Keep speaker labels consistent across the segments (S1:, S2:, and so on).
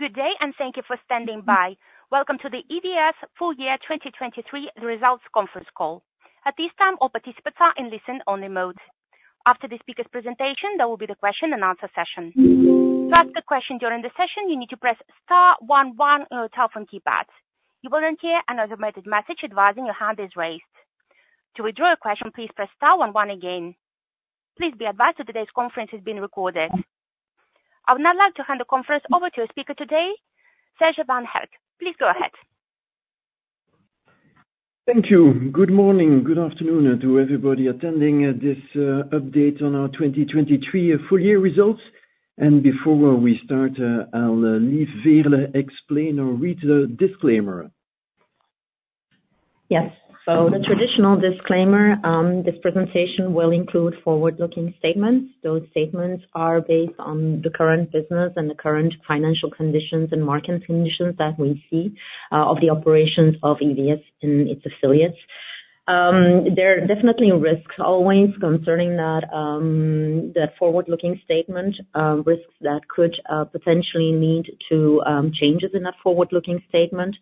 S1: Good day and thank you for standing by. Welcome to the EVS Full Year 2023 Results Conference Call. At this time, all participants are in listen-only mode. After the speaker's presentation, there will be the question-and-answer session. To ask a question during the session, you need to press star one one on your telephone keypad. You will then hear an automated message advising your hand is raised. To withdraw your question, please press star one one again. Please be advised that today's conference is being recorded. I would now like to hand the conference over to our speaker today, Serge Van Herck. Please go ahead.
S2: Thank you. Good morning, good afternoon to everybody attending this update on our 2023 full year results. Before we start, I'll let Veerle explain or read the disclaimer.
S3: Yes. So the traditional disclaimer, this presentation will include forward-looking statements. Those statements are based on the current business and the current financial conditions and market conditions that we see of the operations of EVS and its affiliates. There are definitely risks always concerning the forward-looking statement, risks that could potentially lead to changes in that forward-looking statement.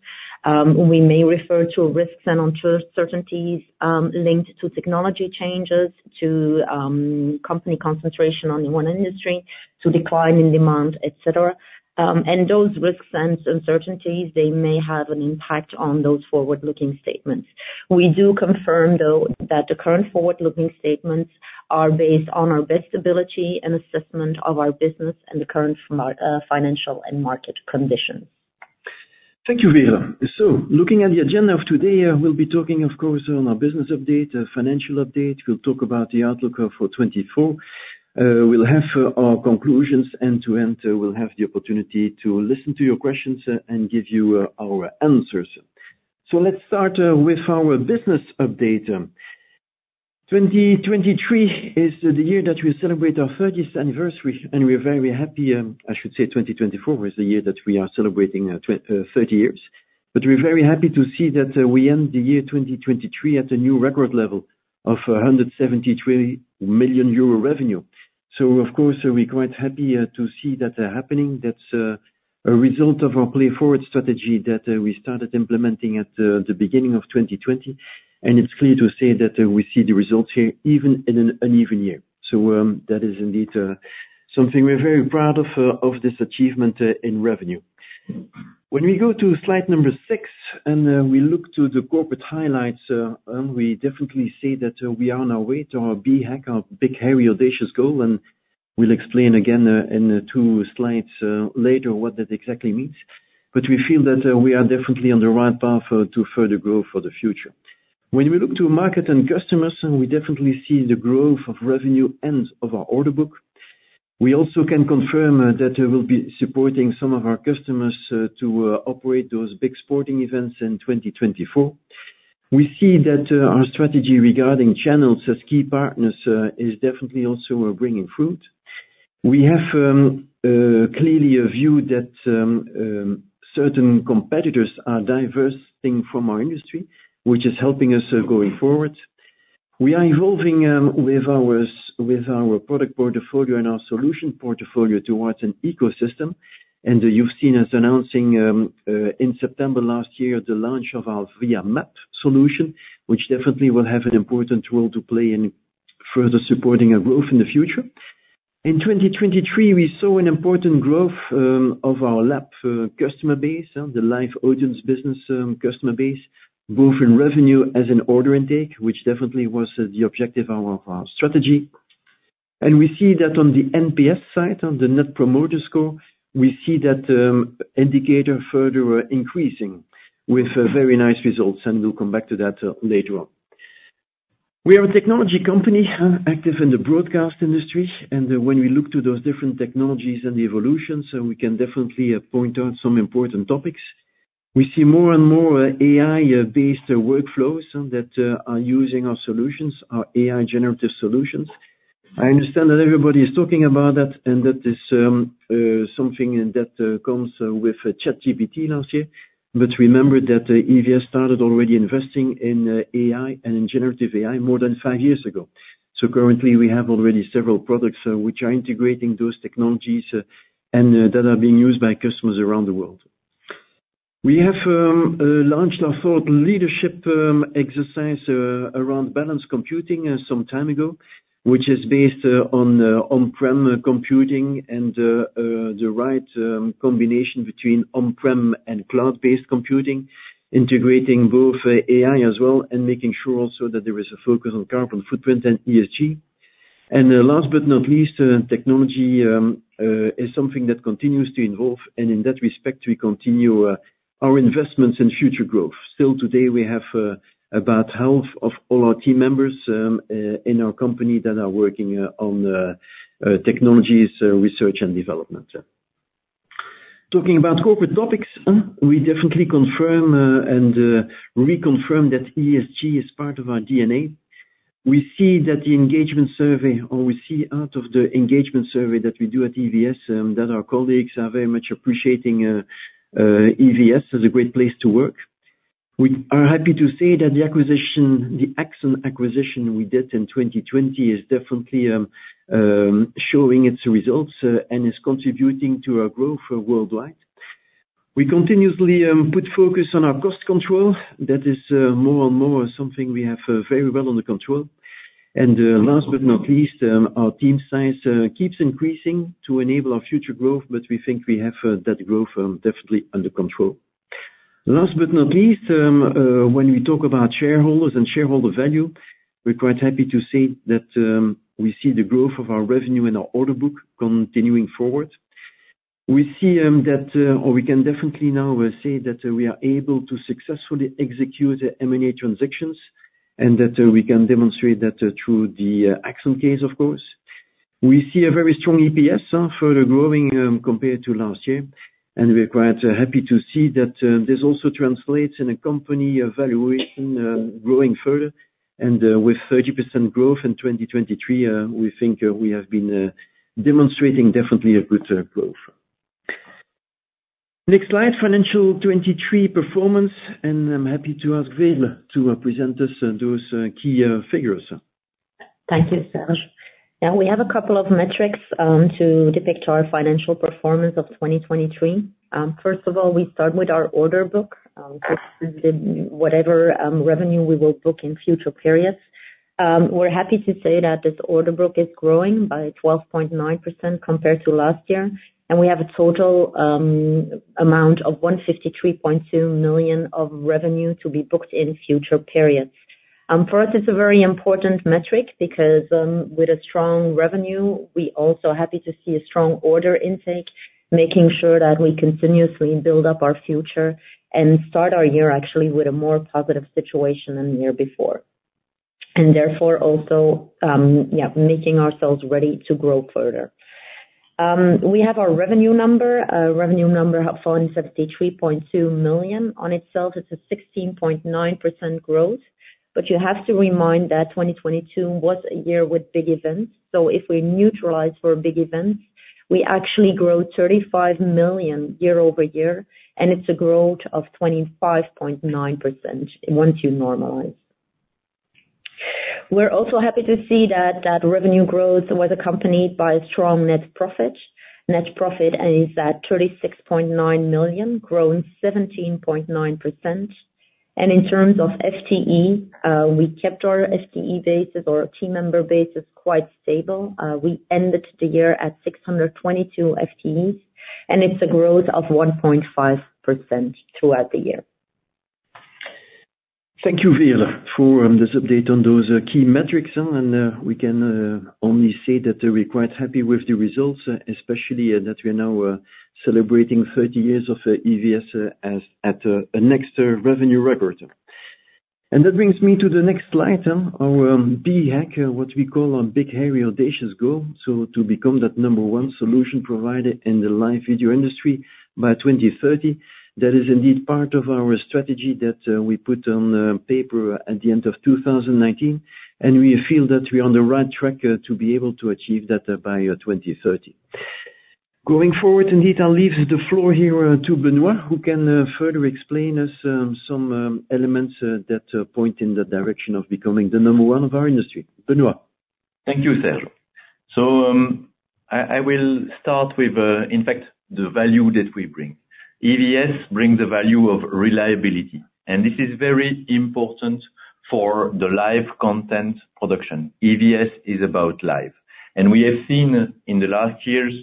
S3: We may refer to risks and uncertainties linked to technology changes, to company concentration on one industry, to decline in demand, etc. And those risks and uncertainties, they may have an impact on those forward-looking statements. We do confirm, though, that the current forward-looking statements are based on our best ability and assessment of our business and the current financial and market conditions.
S2: Thank you, Veerle. So looking at the agenda of today, we'll be talking, of course, on our business update, financial update. We'll talk about the outlook for 2024. We'll have our conclusions. End to end, we'll have the opportunity to listen to your questions and give you our answers. So let's start with our business update. 2023 is the year that we celebrate our 30th anniversary, and we're very happy I should say 2024 was the year that we are celebrating 30 years. But we're very happy to see that we end the year 2023 at a new record level of 173 million euro revenue. So, of course, we're quite happy to see that happening. That's a result of our PLAYForward strategy that we started implementing at the beginning of 2020. And it's clear to say that we see the results here even in an uneven year. So that is indeed something we're very proud of, of this achievement in revenue. When we go to slide number six and we look to the corporate highlights, we definitely see that we are on our way to our BHAG, our Big Hairy Audacious Goal. We'll explain again in two slides later what that exactly means. We feel that we are definitely on the right path to further growth for the future. When we look to market and customers, we definitely see the growth of revenue and of our order book. We also can confirm that we'll be supporting some of our customers to operate those big sporting events in 2024. We see that our strategy regarding channels as key partners is definitely also bringing fruit. We have clearly a view that certain competitors are diverging from our industry, which is helping us going forward. We are evolving with our product portfolio and our solution portfolio towards an ecosystem. You've seen us announcing in September last year the launch of our VIA MAP solution, which definitely will have an important role to play in further supporting our growth in the future. In 2023, we saw an important growth of our LAB customer base, the live audience business customer base, both in revenue as in order intake, which definitely was the objective of our strategy. We see that on the NPS side, the Net Promoter Score, we see that indicator further increasing with very nice results. We'll come back to that later on. We are a technology company active in the broadcast industry. When we look to those different technologies and the evolutions, we can definitely point out some important topics. We see more and more AI-based workflows that are using our solutions, our AI-generative solutions. I understand that everybody is talking about that and that is something that comes with ChatGPT last year. But remember that EVS started already investing in AI and in generative AI more than five years ago. So currently, we have already several products which are integrating those technologies and that are being used by customers around the world. We have launched our thought leadership exercise around Balanced Computing some time ago, which is based on on-prem computing and the right combination between on-prem and cloud-based computing, integrating both AI as well and making sure also that there is a focus on carbon footprint and ESG. And last but not least, technology is something that continues to evolve. And in that respect, we continue our investments in future growth. Still today, we have about half of all our team members in our company that are working on technologies research and development. Talking about corporate topics, we definitely confirm and reconfirm that ESG is part of our DNA. We see that the engagement survey or we see out of the engagement survey that we do at EVS that our colleagues are very much appreciating EVS as a great place to work. We are happy to say that the acquisition, the Axon acquisition we did in 2020, is definitely showing its results and is contributing to our growth worldwide. We continuously put focus on our cost control. That is more and more something we have very well under control. And last but not least, our team size keeps increasing to enable our future growth. But we think we have that growth definitely under control. Last but not least, when we talk about shareholders and shareholder value, we're quite happy to say that we see the growth of our revenue and our order book continuing forward. We see that or we can definitely now say that we are able to successfully execute M&A transactions and that we can demonstrate that through the Axon case, of course. We see a very strong EPS, further growing compared to last year. And we're quite happy to see that this also translates in a company valuation growing further. And with 30% growth in 2023, we think we have been demonstrating definitely a good growth. Next slide, financial 2023 performance. I'm happy to ask Veerle to present us those key figures.
S3: Thank you, Serge. Yeah, we have a couple of metrics to depict our financial performance of 2023. First of all, we start with our order book, which is whatever revenue we will book in future periods. We're happy to say that this order book is growing by 12.9% compared to last year. And we have a total amount of 153.2 million of revenue to be booked in future periods. For us, it's a very important metric because with a strong revenue, we're also happy to see a strong order intake, making sure that we continuously build up our future and start our year, actually, with a more positive situation than the year before. And therefore, also, yeah, making ourselves ready to grow further. We have our revenue number. Revenue number falls in 73.2 million on itself. It's a 16.9% growth. You have to remind that 2022 was a year with big events. So if we neutralize for big events, we actually grow 35 million year-over-year. And it's a growth of 25.9% once you normalize. We're also happy to see that that revenue growth was accompanied by a strong net profit. Net profit is at 36.9 million, growing 17.9%. And in terms of FTE, we kept our FTE basis or team member basis quite stable. We ended the year at 622 FTEs. And it's a growth of 1.5% throughout the year.
S2: Thank you, Veerle, for this update on those key metrics. And we can only say that we're quite happy with the results, especially that we are now celebrating 30 years of EVS at a next revenue record. And that brings me to the next slide, our BHAG, what we call our Big Hairy Audacious Goal. So to become that number one solution provider in the live video industry by 2030, that is indeed part of our strategy that we put on paper at the end of 2019. And we feel that we're on the right track to be able to achieve that by 2030. Going forward, indeed, I'll leave the floor here to Benoit, who can further explain us some elements that point in the direction of becoming the number one of our industry. Benoît.
S4: Thank you, Serge. So I will start with, in fact, the value that we bring. EVS brings the value of reliability. This is very important for the live content production. EVS is about live. We have seen in the last years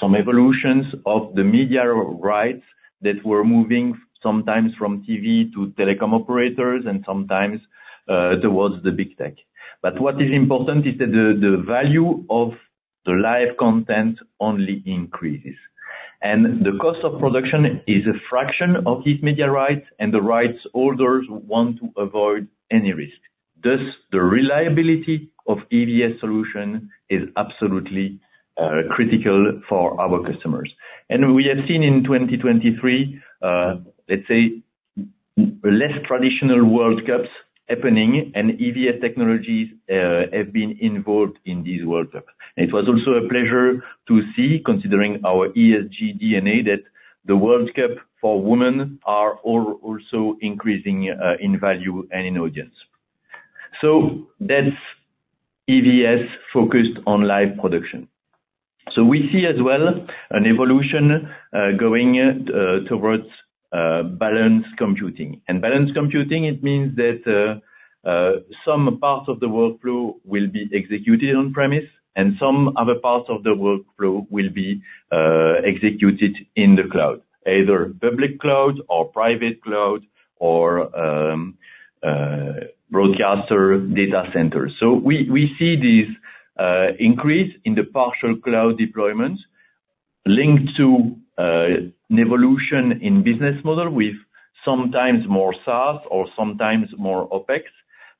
S4: some evolutions of the media rights that were moving sometimes from TV to telecom operators and sometimes towards the big tech. But what is important is that the value of the live content only increases. The cost of production is a fraction of these media rights. The rights holders want to avoid any risk. Thus, the reliability of EVS solution is absolutely critical for our customers. We have seen in 2023, let's say, less traditional World Cups happening. EVS technologies have been involved in these World Cups. It was also a pleasure to see, considering our ESG DNA, that the World Cup for women are also increasing in value and in audience. So that's EVS focused on live production. So we see as well an evolution going towards balanced computing. And balanced computing, it means that some part of the workflow will be executed on-premise. And some other parts of the workflow will be executed in the cloud, either public cloud or private cloud or broadcaster data centers. So we see this increase in the partial cloud deployments linked to an evolution in business model with sometimes more SaaS or sometimes more OpEx.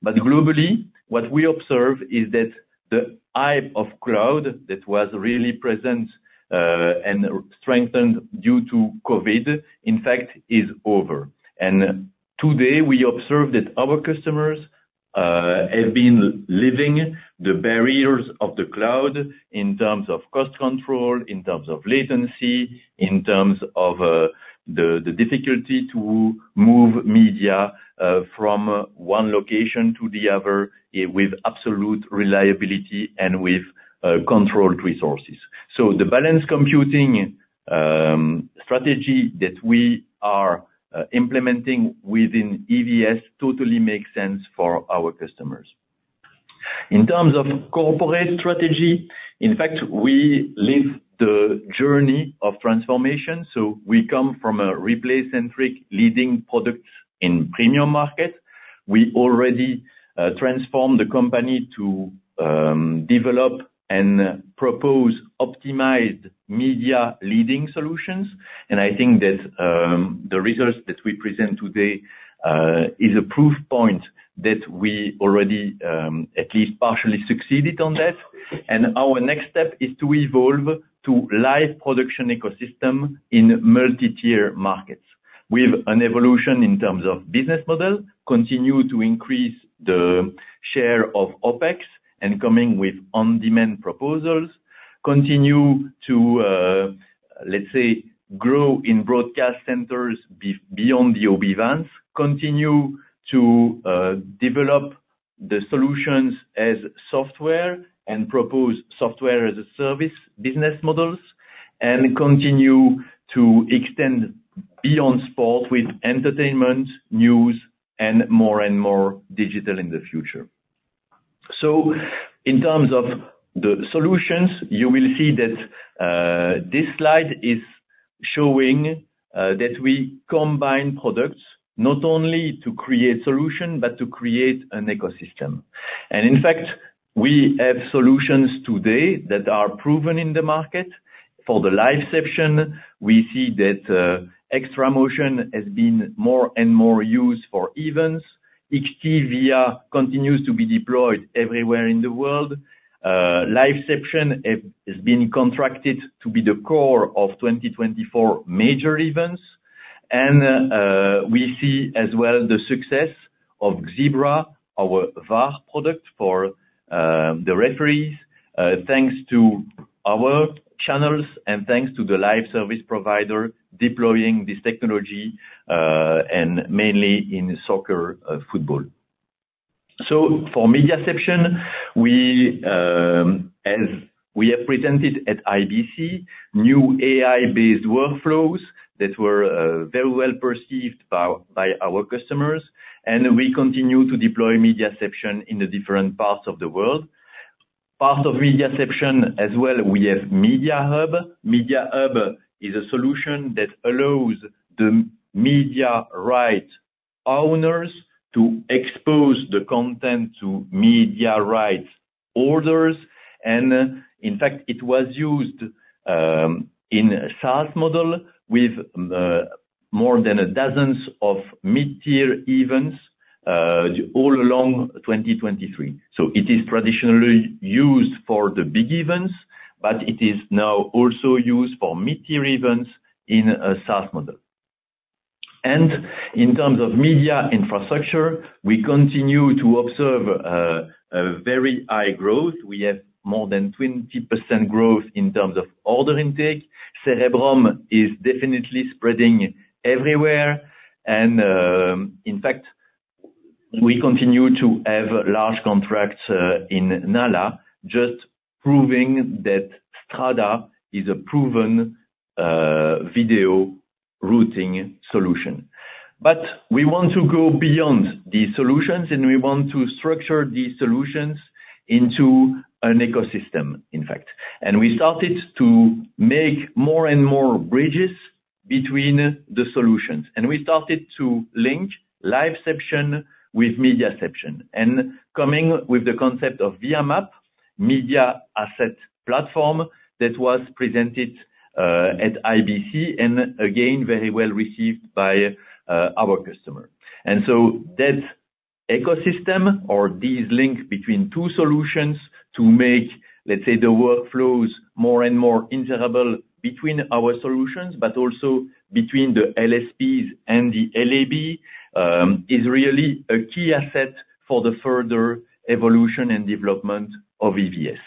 S4: But globally, what we observe is that the hype of cloud that was really present and strengthened due to COVID, in fact, is over. Today, we observe that our customers have been living the barriers of the cloud in terms of cost control, in terms of latency, in terms of the difficulty to move media from one location to the other with absolute reliability and with controlled resources. So the Balanced Computing strategy that we are implementing within EVS totally makes sense for our customers. In terms of corporate strategy, in fact, we live the journey of transformation. So we come from a replay-centric leading product in premium markets. We already transformed the company to develop and propose optimized media leading solutions. And I think that the results that we present today is a proof point that we already at least partially succeeded on that. Our next step is to evolve to a live production ecosystem in multi-tier markets with an evolution in terms of business model, continue to increase the share of OpEx and coming with on-demand proposals, continue to, let's say, grow in broadcast centers beyond the OB Vans, continue to develop the solutions as software and propose software as a service business models, and continue to extend beyond sport with entertainment, news, and more and more digital in the future. In terms of the solutions, you will see that this slide is showing that we combine products not only to create solution but to create an ecosystem. In fact, we have solutions today that are proven in the market. For the LiveCeption, we see that XtraMotion has been more and more used for events. XT-VIA continues to be deployed everywhere in the world. LiveCeption has been contracted to be the core of 2024 major events. We see as well the success of Xeebra, our VAR product for the referees, thanks to our channels and thanks to the live service provider deploying this technology, and mainly in soccer, football. For MediaCeption, as we have presented at IBC, new AI-based workflows that were very well perceived by our customers. We continue to deploy MediaCeption in the different parts of the world. Part of MediaCeption as well, we have MediaHub. MediaHub is a solution that allows the media rights owners to expose the content to media rights holders. In fact, it was used in a SaaS model with more than a dozen of mid-tier events all along 2023. It is traditionally used for the big events. It is now also used for mid-tier events in a SaaS model. In terms of media infrastructure, we continue to observe a very high growth. We have more than 20% growth in terms of order intake. Cerebrum is definitely spreading everywhere. In fact, we continue to have large contracts in NALA, just proving that Strada is a proven video routing solution. But we want to go beyond these solutions. We want to structure these solutions into an ecosystem, in fact. We started to make more and more bridges between the solutions. We started to link LiveCeption with MediaCeption, and coming with the concept of VIA MAP, media asset platform that was presented at IBC and again, very well received by our customer. That ecosystem or this link between two solutions to make, let's say, the workflows more and more interoperable between our solutions but also between the LSPs and the LAB is really a key asset for the further evolution and development of EVS.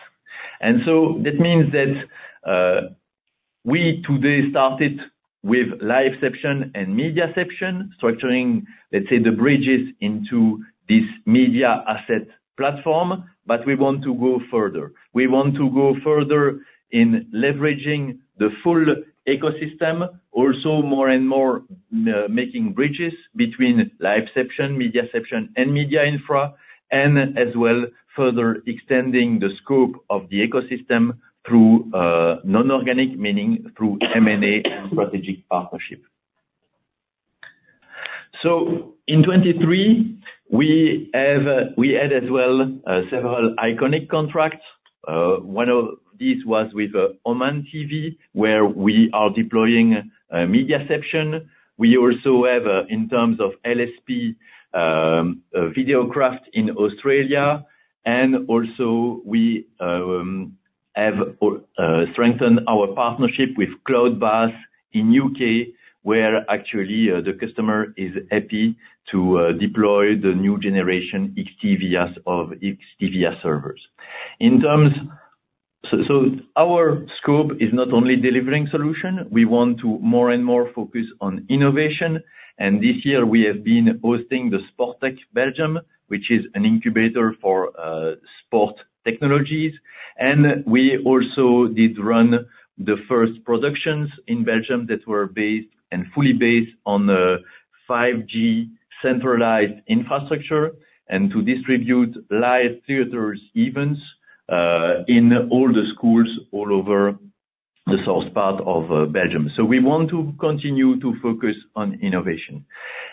S4: That means that we today started with LiveCeption and MediaCeption, structuring, let's say, the bridges into this media asset platform. We want to go further. We want to go further in leveraging the full ecosystem, also more and more making bridges between LiveCeption, MediaCeption, and MediaInfra, and as well further extending the scope of the ecosystem through non-organic, meaning through M&A and strategic partnership. In 2023, we had as well several iconic contracts. One of these was with Oman TV, where we are deploying MediaCeption. We also have, in terms of LSP, Videocraft in Australia. And also, we have strengthened our partnership with Cloudbass in the U.K., where actually, the customer is happy to deploy the new generation XT-VIA servers. So our scope is not only delivering solutions. We want to more and more focus on innovation. And this year, we have been hosting the SportsTech Belgium, which is an incubator for sport technologies. And we also did run the first productions in Belgium that were based and fully based on 5G centralized infrastructure and to distribute live theaters' events in all the schools all over the south part of Belgium. So we want to continue to focus on innovation.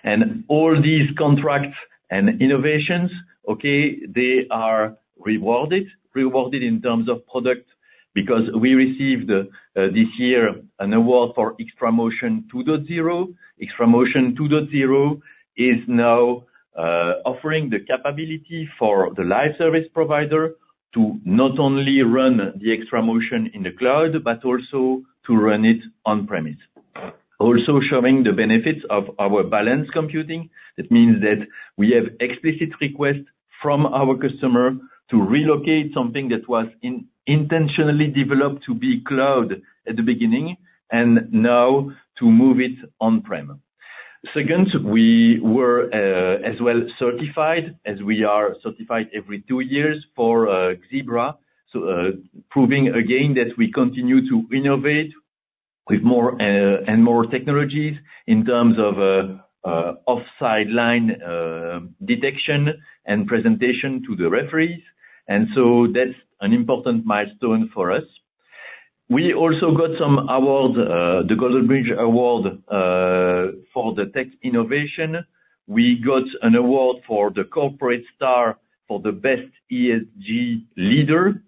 S4: And all these contracts and innovations, okay, they are rewarded, rewarded in terms of product because we received this year an award for XtraMotion 2.0. XtraMotion 2.0 is now offering the capability for the live service provider to not only run the XtraMotion in the cloud but also to run it on-premise, also showing the benefits of our Balanced Computing. That means that we have explicit requests from our customer to relocate something that was intentionally developed to be cloud at the beginning and now to move it on-prem. Second, we were as well certified, as we are certified every two years, for Xeebra, proving again that we continue to innovate with more and more technologies in terms of offside line detection and presentation to the referees. And so that's an important milestone for us. We also got some awards, the Golden Bridge Award for the tech innovation. We got an award for the corporate star for the best ESG leader.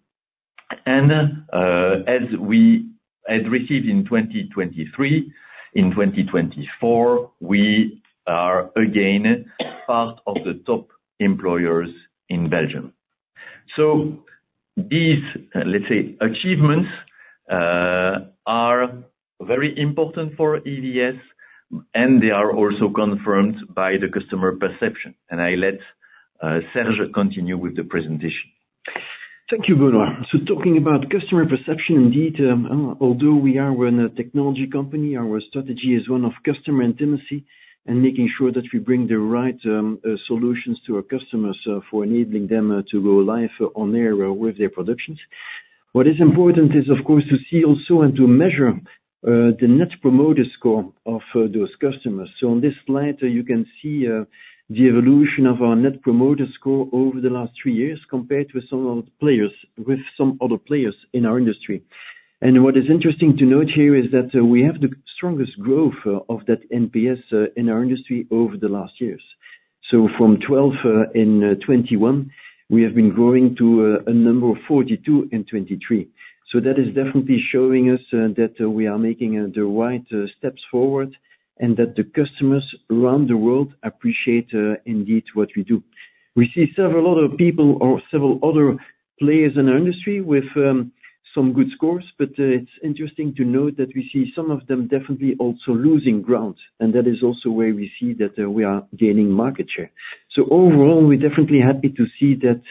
S4: As we had received in 2023, in 2024, we are again part of the top employers in Belgium. These, let's say, achievements are very important for EVS. They are also confirmed by the customer perception. I let Serge continue with the presentation.
S2: Thank you, Benoit. So talking about customer perception, indeed, although we are a technology company, our strategy is one of customer intimacy and making sure that we bring the right solutions to our customers for enabling them to go live on air with their productions. What is important is, of course, to see also and to measure the net promoter score of those customers. So on this slide, you can see the evolution of our net promoter score over the last three years compared with some other players with some other players in our industry. And what is interesting to note here is that we have the strongest growth of that NPS in our industry over the last years. So from 12 in 2021, we have been growing to a number of 42 in 2023. So that is definitely showing us that we are making the right steps forward and that the customers around the world appreciate, indeed, what we do. We see several other people or several other players in our industry with some good scores. But it's interesting to note that we see some of them definitely also losing ground. And that is also where we see that we are gaining market share. So overall, we're definitely happy to see that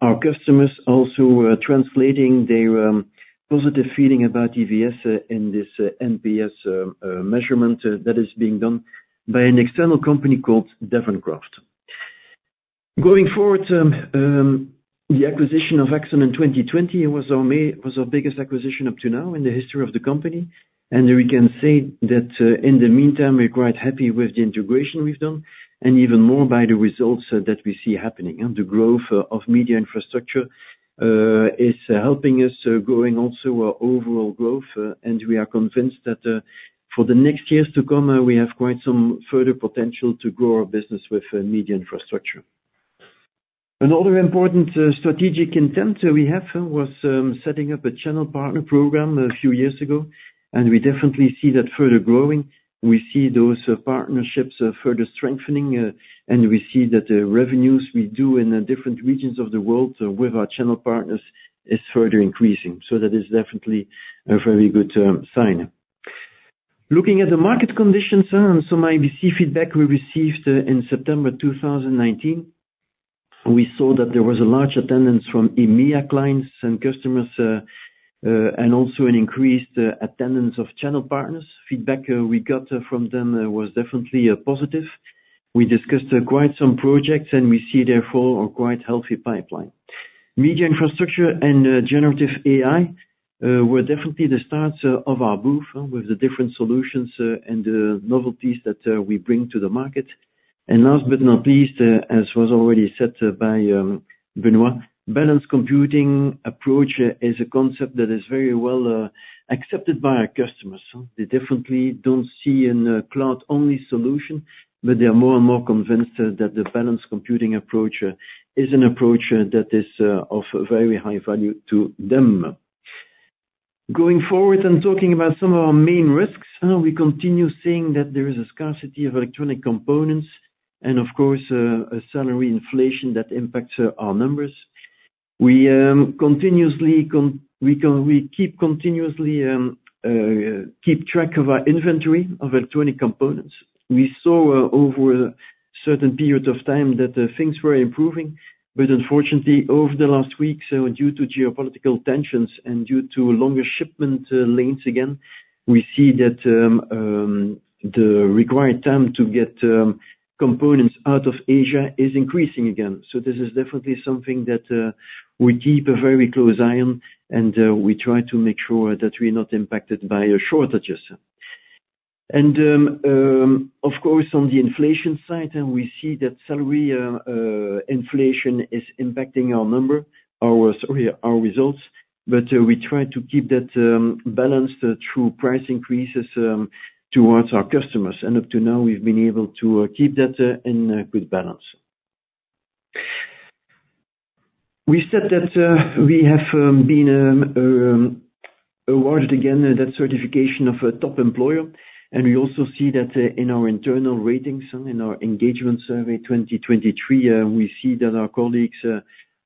S2: our customers are also translating their positive feeling about EVS in this NPS measurement that is being done by an external company called Devoncroft. Going forward, the acquisition of Axon in 2020 was our biggest acquisition up to now in the history of the company. And we can say that in the meantime, we're quite happy with the integration we've done and even more by the results that we see happening. The growth of media infrastructure is helping us, growing also our overall growth. We are convinced that for the next years to come, we have quite some further potential to grow our business with media infrastructure. Another important strategic intent we have was setting up a channel partner program a few years ago. We definitely see that further growing. We see those partnerships further strengthening. We see that the revenues we do in different regions of the world with our channel partners is further increasing. That is definitely a very good sign. Looking at the market conditions and some IBC feedback we received in September 2019, we saw that there was a large attendance from EMEA clients and customers and also an increased attendance of channel partners. Feedback we got from them was definitely positive. We discussed quite some projects. We see, therefore, a quite healthy pipeline. Media Infrastructure and Generative AI were definitely the stars of our booth with the different solutions and the novelties that we bring to the market. Last but not least, as was already said by Benoit, Balanced Computing approach is a concept that is very well accepted by our customers. They definitely don't see a cloud-only solution. They are more and more convinced that the Balanced Computing approach is an approach that is of very high value to them. Going forward and talking about some of our main risks, we continue saying that there is a scarcity of electronic components and, of course, a salary inflation that impacts our numbers. We keep track of our inventory of electronic components. We saw over a certain period of time that things were improving. But unfortunately, over the last weeks, due to geopolitical tensions and due to longer shipment lanes again, we see that the required time to get components out of Asia is increasing again. So this is definitely something that we keep a very close eye on. We try to make sure that we're not impacted by shortages. Of course, on the inflation side, we see that salary inflation is impacting our number, our results. But we try to keep that balanced through price increases towards our customers. And up to now, we've been able to keep that in good balance. We said that we have been awarded again that certification of a top employer. We also see that in our internal ratings and in our engagement survey 2023, we see that our colleagues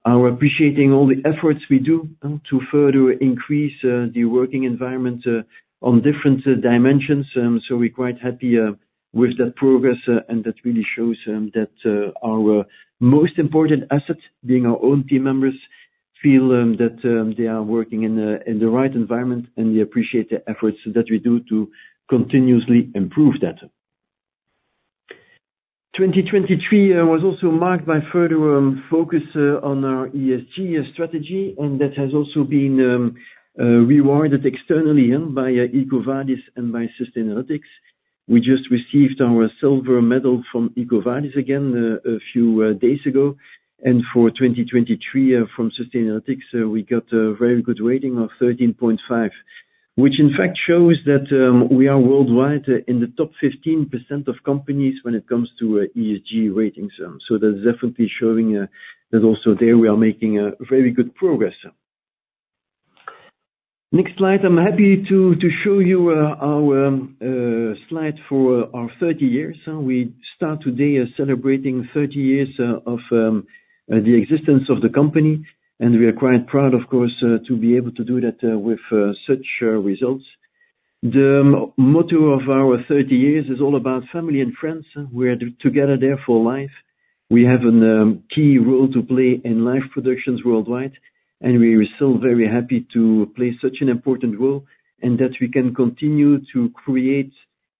S2: are appreciating all the efforts we do to further increase the working environment on different dimensions. So we're quite happy with that progress. That really shows that our most important assets, being our own team members, feel that they are working in the right environment. They appreciate the efforts that we do to continuously improve that. 2023 was also marked by further focus on our ESG strategy. That has also been rewarded externally by EcoVadis and by Sustainalytics. We just received our silver medal from EcoVadis again a few days ago. For 2023, from Sustainalytics, we got a very good rating of 13.5, which in fact shows that we are worldwide in the top 15% of companies when it comes to ESG ratings. So that's definitely showing that also there, we are making very good progress. Next slide, I'm happy to show you our slide for our 30 years. We start today celebrating 30 years of the existence of the company. We are quite proud, of course, to be able to do that with such results. The motto of our 30 years is all about family and friends. We are together there for life. We have a key role to play in live productions worldwide. We are still very happy to play such an important role and that we can continue to create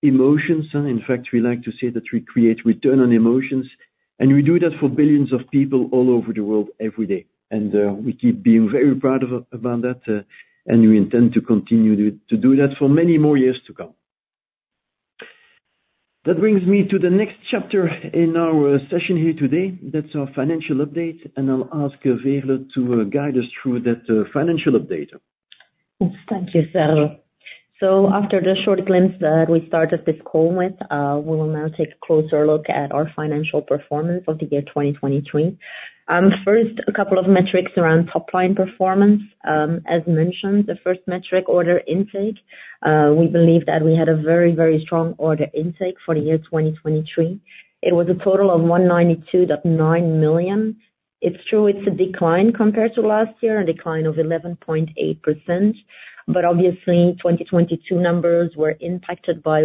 S2: emotions. In fact, we like to say that we create return on emotions. We do that for billions of people all over the world every day. We keep being very proud about that. We intend to continue to do that for many more years to come. That brings me to the next chapter in our session here today. That's our financial update. I'll ask Veerle to guide us through that financial update.
S3: Thank you, Serge. After the short glimpse that we started this call with, we will now take a closer look at our financial performance of the year 2023. First, a couple of metrics around top-line performance. As mentioned, the first metric, order intake, we believe that we had a very, very strong order intake for the year 2023. It was a total of 192.9 million. It's true it's a decline compared to last year, a decline of 11.8%. Obviously, 2022 numbers were impacted by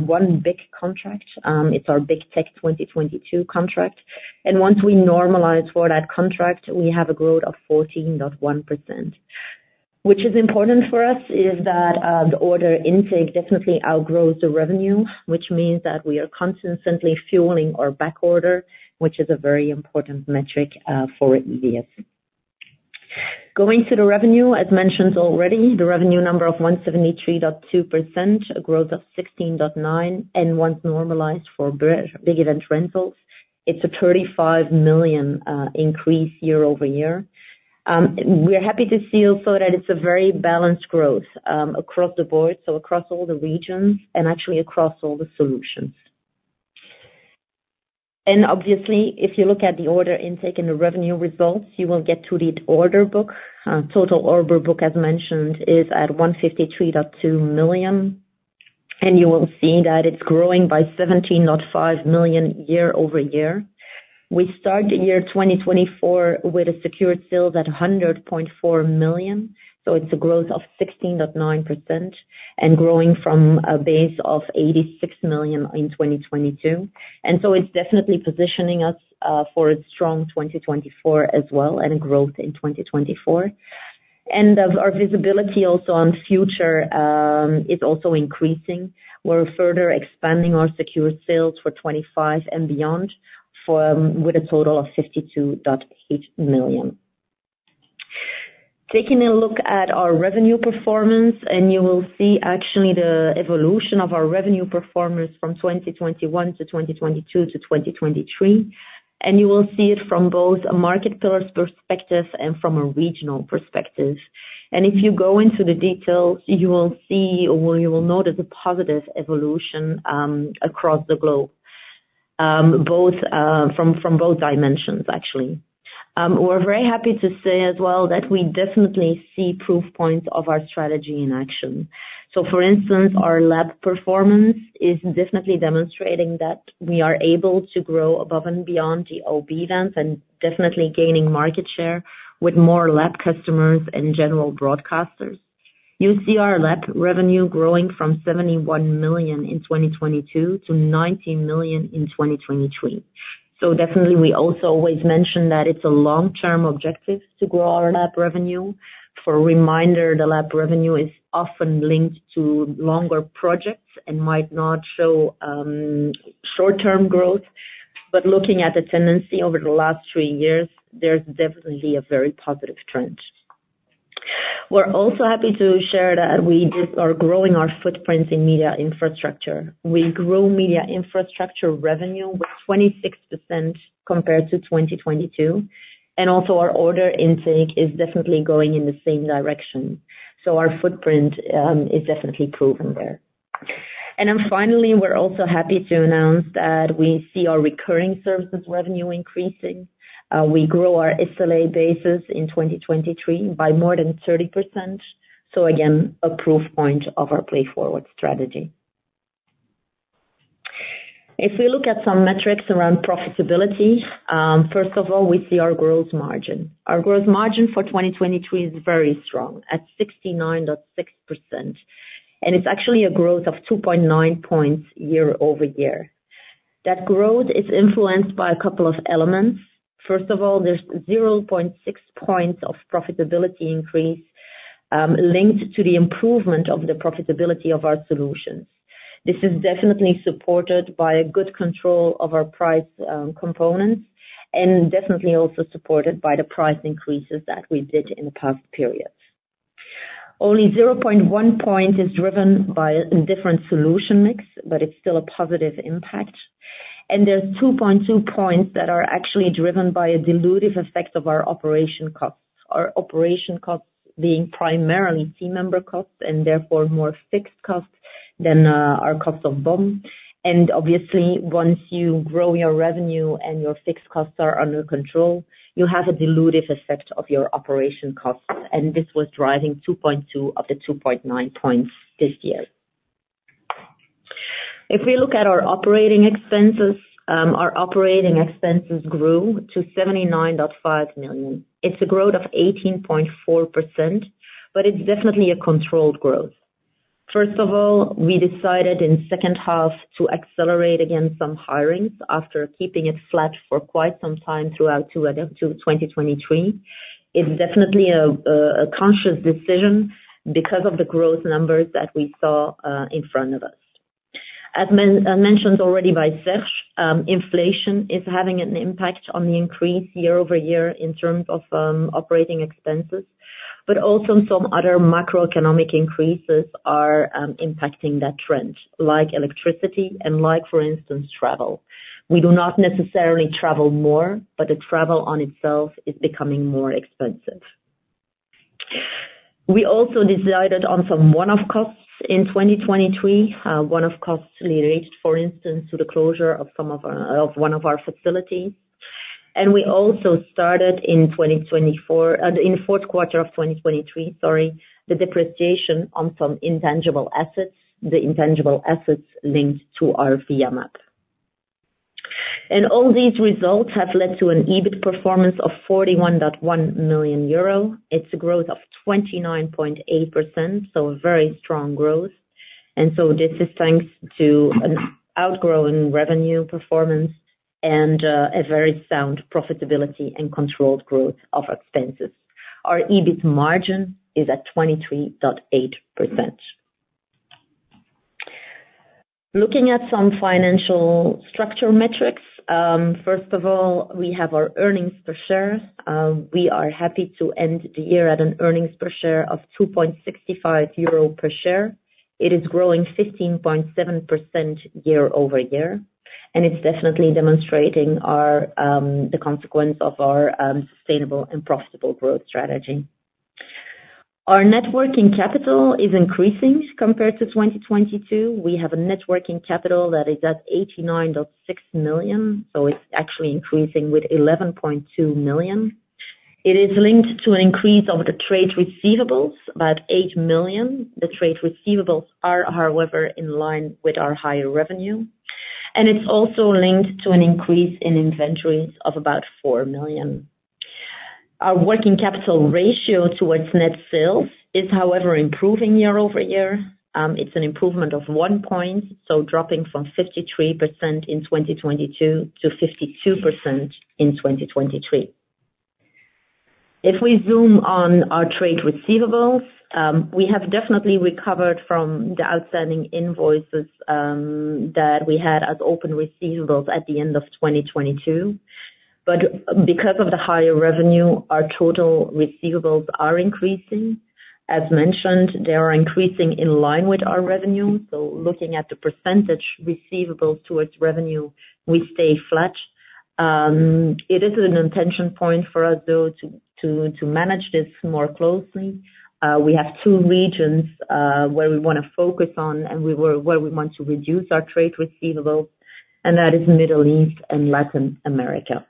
S3: one big contract. It's our Big Tech 2022 contract. Once we normalized for that contract, we have a growth of 14.1%. Which is important for us is that the order intake definitely outgrows the revenue, which means that we are constantly fueling our backorder, which is a very important metric for EVS. Going to the revenue, as mentioned already, the revenue number of 173.2 million, a growth of 16.9%. Once normalized for big event rentals, it's a 35 million increase year-over-year. We're happy to see also that it's a very balanced growth across the board, so across all the regions and actually across all the solutions. Obviously, if you look at the order intake and the revenue results, you will get to the order book. Total order book, as mentioned, is at 153.2 million. You will see that it's growing by 17.5 million year-over-year. We started the year 2024 with a secured sales at 100.4 million. It's a growth of 16.9% and growing from a base of 86 million in 2022. So it's definitely positioning us for a strong 2024 as well and a growth in 2024. Our visibility also on future is also increasing. We're further expanding our secured sales for 2025 and beyond with a total of 52.8 million. Taking a look at our revenue performance, you will see actually the evolution of our revenue performance from 2021 to 2022 to 2023. You will see it from both a market pillars perspective and from a regional perspective. If you go into the details, you will see or you will notice a positive evolution across the globe, both from both dimensions, actually. We're very happy to say as well that we definitely see proof points of our strategy in action. So for instance, our LAB performance is definitely demonstrating that we are able to grow above and beyond OB events and definitely gaining market share with more LAB customers and general broadcasters. You see our LAB revenue growing from 71 million in 2022 to 90 million in 2023. Definitely, we also always mention that it's a long-term objective to grow our LAB revenue. For a reminder, the LAB revenue is often linked to longer projects and might not show short-term growth. But looking at the tendency over the last three years, there's definitely a very positive trend. We're also happy to share that we are growing our footprint in media infrastructure. We grow media infrastructure revenue with 26% compared to 2022. Also, our order intake is definitely going in the same direction. Our footprint is definitely proven there. Then finally, we're also happy to announce that we see our recurring services revenue increasing. We grow our SLA basis in 2023 by more than 30%. Again, a proof point of our PLAYForward strategy. If we look at some metrics around profitability, first of all, we see our gross margin. Our gross margin for 2023 is very strong at 69.6%. It's actually a growth of 2.9 points year-over-year. That growth is influenced by a couple of elements. First of all, there's 0.6 points of profitability increase linked to the improvement of the profitability of our solutions. This is definitely supported by a good control of our price components and definitely also supported by the price increases that we did in the past period. Only 0.1 point is driven by a different solution mix, but it's still a positive impact. There's 2.2 points that are actually driven by a dilutive effect of our operation costs, our operation costs being primarily team member costs and therefore more fixed costs than our cost of BOM. And obviously, once you grow your revenue and your fixed costs are under control, you have a dilutive effect of your operation costs. And this was driving 2.2 of the 2.9 points this year. If we look at our operating expenses, our operating expenses grew to 79.5 million. It's a growth of 18.4%. But it's definitely a controlled growth. First of all, we decided in the second half to accelerate again some hirings after keeping it flat for quite some time throughout 2023. It's definitely a conscious decision because of the growth numbers that we saw in front of us. As mentioned already by Serge, inflation is having an impact on the increase year-over-year in terms of operating expenses. But also, some other macroeconomic increases are impacting that trend, like electricity and like, for instance, travel. We do not necessarily travel more, but the travel on itself is becoming more expensive. We also decided on some one-off costs in 2023, one-off costs related, for instance, to the closure of one of our facilities. We also started in the fourth quarter of 2023, sorry, the depreciation on some intangible assets, the intangible assets linked to our VIA MAP. All these results have led to an EBIT performance of 41.1 million euro. It's a growth of 29.8%, so a very strong growth. This is thanks to an outgrowing revenue performance and a very sound profitability and controlled growth of expenses. Our EBIT margin is at 23.8%. Looking at some financial structure metrics, first of all, we have our earnings per share. We are happy to end the year at an earnings per share of 2.65 euro per share. It is growing 15.7% year-over-year. It's definitely demonstrating the consequence of our sustainable and profitable growth strategy. Our net working capital is increasing compared to 2022. We have a net working capital that is at 89.6 million. So it's actually increasing with 11.2 million. It is linked to an increase of the trade receivables by 8 million. The trade receivables are, however, in line with our higher revenue. And it's also linked to an increase in inventories of about 4 million. Our working capital ratio towards net sales is, however, improving year-over-year. It's an improvement of 1 point, so dropping from 53% in 2022 to 52% in 2023. If we zoom on our trade receivables, we have definitely recovered from the outstanding invoices that we had as open receivables at the end of 2022. But because of the higher revenue, our total receivables are increasing. As mentioned, they are increasing in line with our revenue. So looking at the percentage receivables towards revenue, we stay flat. It is an intention point for us, though, to manage this more closely. We have two regions where we want to focus on and where we want to reduce our trade receivables. And that is the Middle East and Latin America.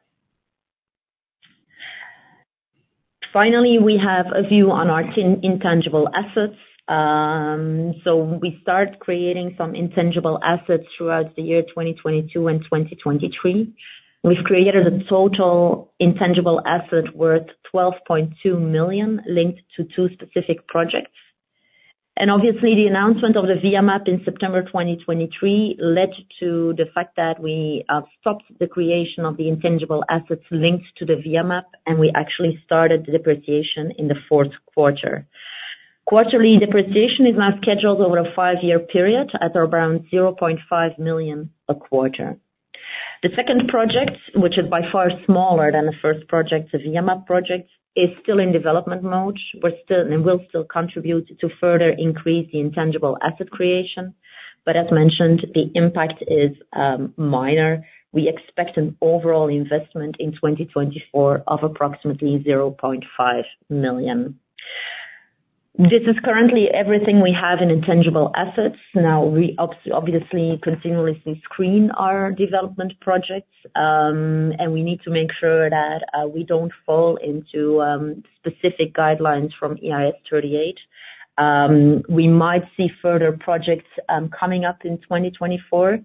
S3: Finally, we have a view on our intangible assets. So we start creating some intangible assets throughout the year 2022 and 2023. We've created a total intangible asset worth 12.2 million linked to two specific projects. And obviously, the announcement of the VIA MAP in September 2023 led to the fact that we have stopped the creation of the intangible assets linked to the VIA MAP, and we actually started the depreciation in the fourth quarter. Quarterly depreciation is now scheduled over a 5-year period at around 0.5 million a quarter. The second project, which is by far smaller than the first project, the VIA MAP project, is still in development mode. We're still and will still contribute to further increase the intangible asset creation. But as mentioned, the impact is minor. We expect an overall investment in 2024 of approximately 0.5 million. This is currently everything we have in intangible assets. Now, we obviously continuously screen our development projects. And we need to make sure that we don't fall into specific guidelines from IAS 38. We might see further projects coming up in 2024.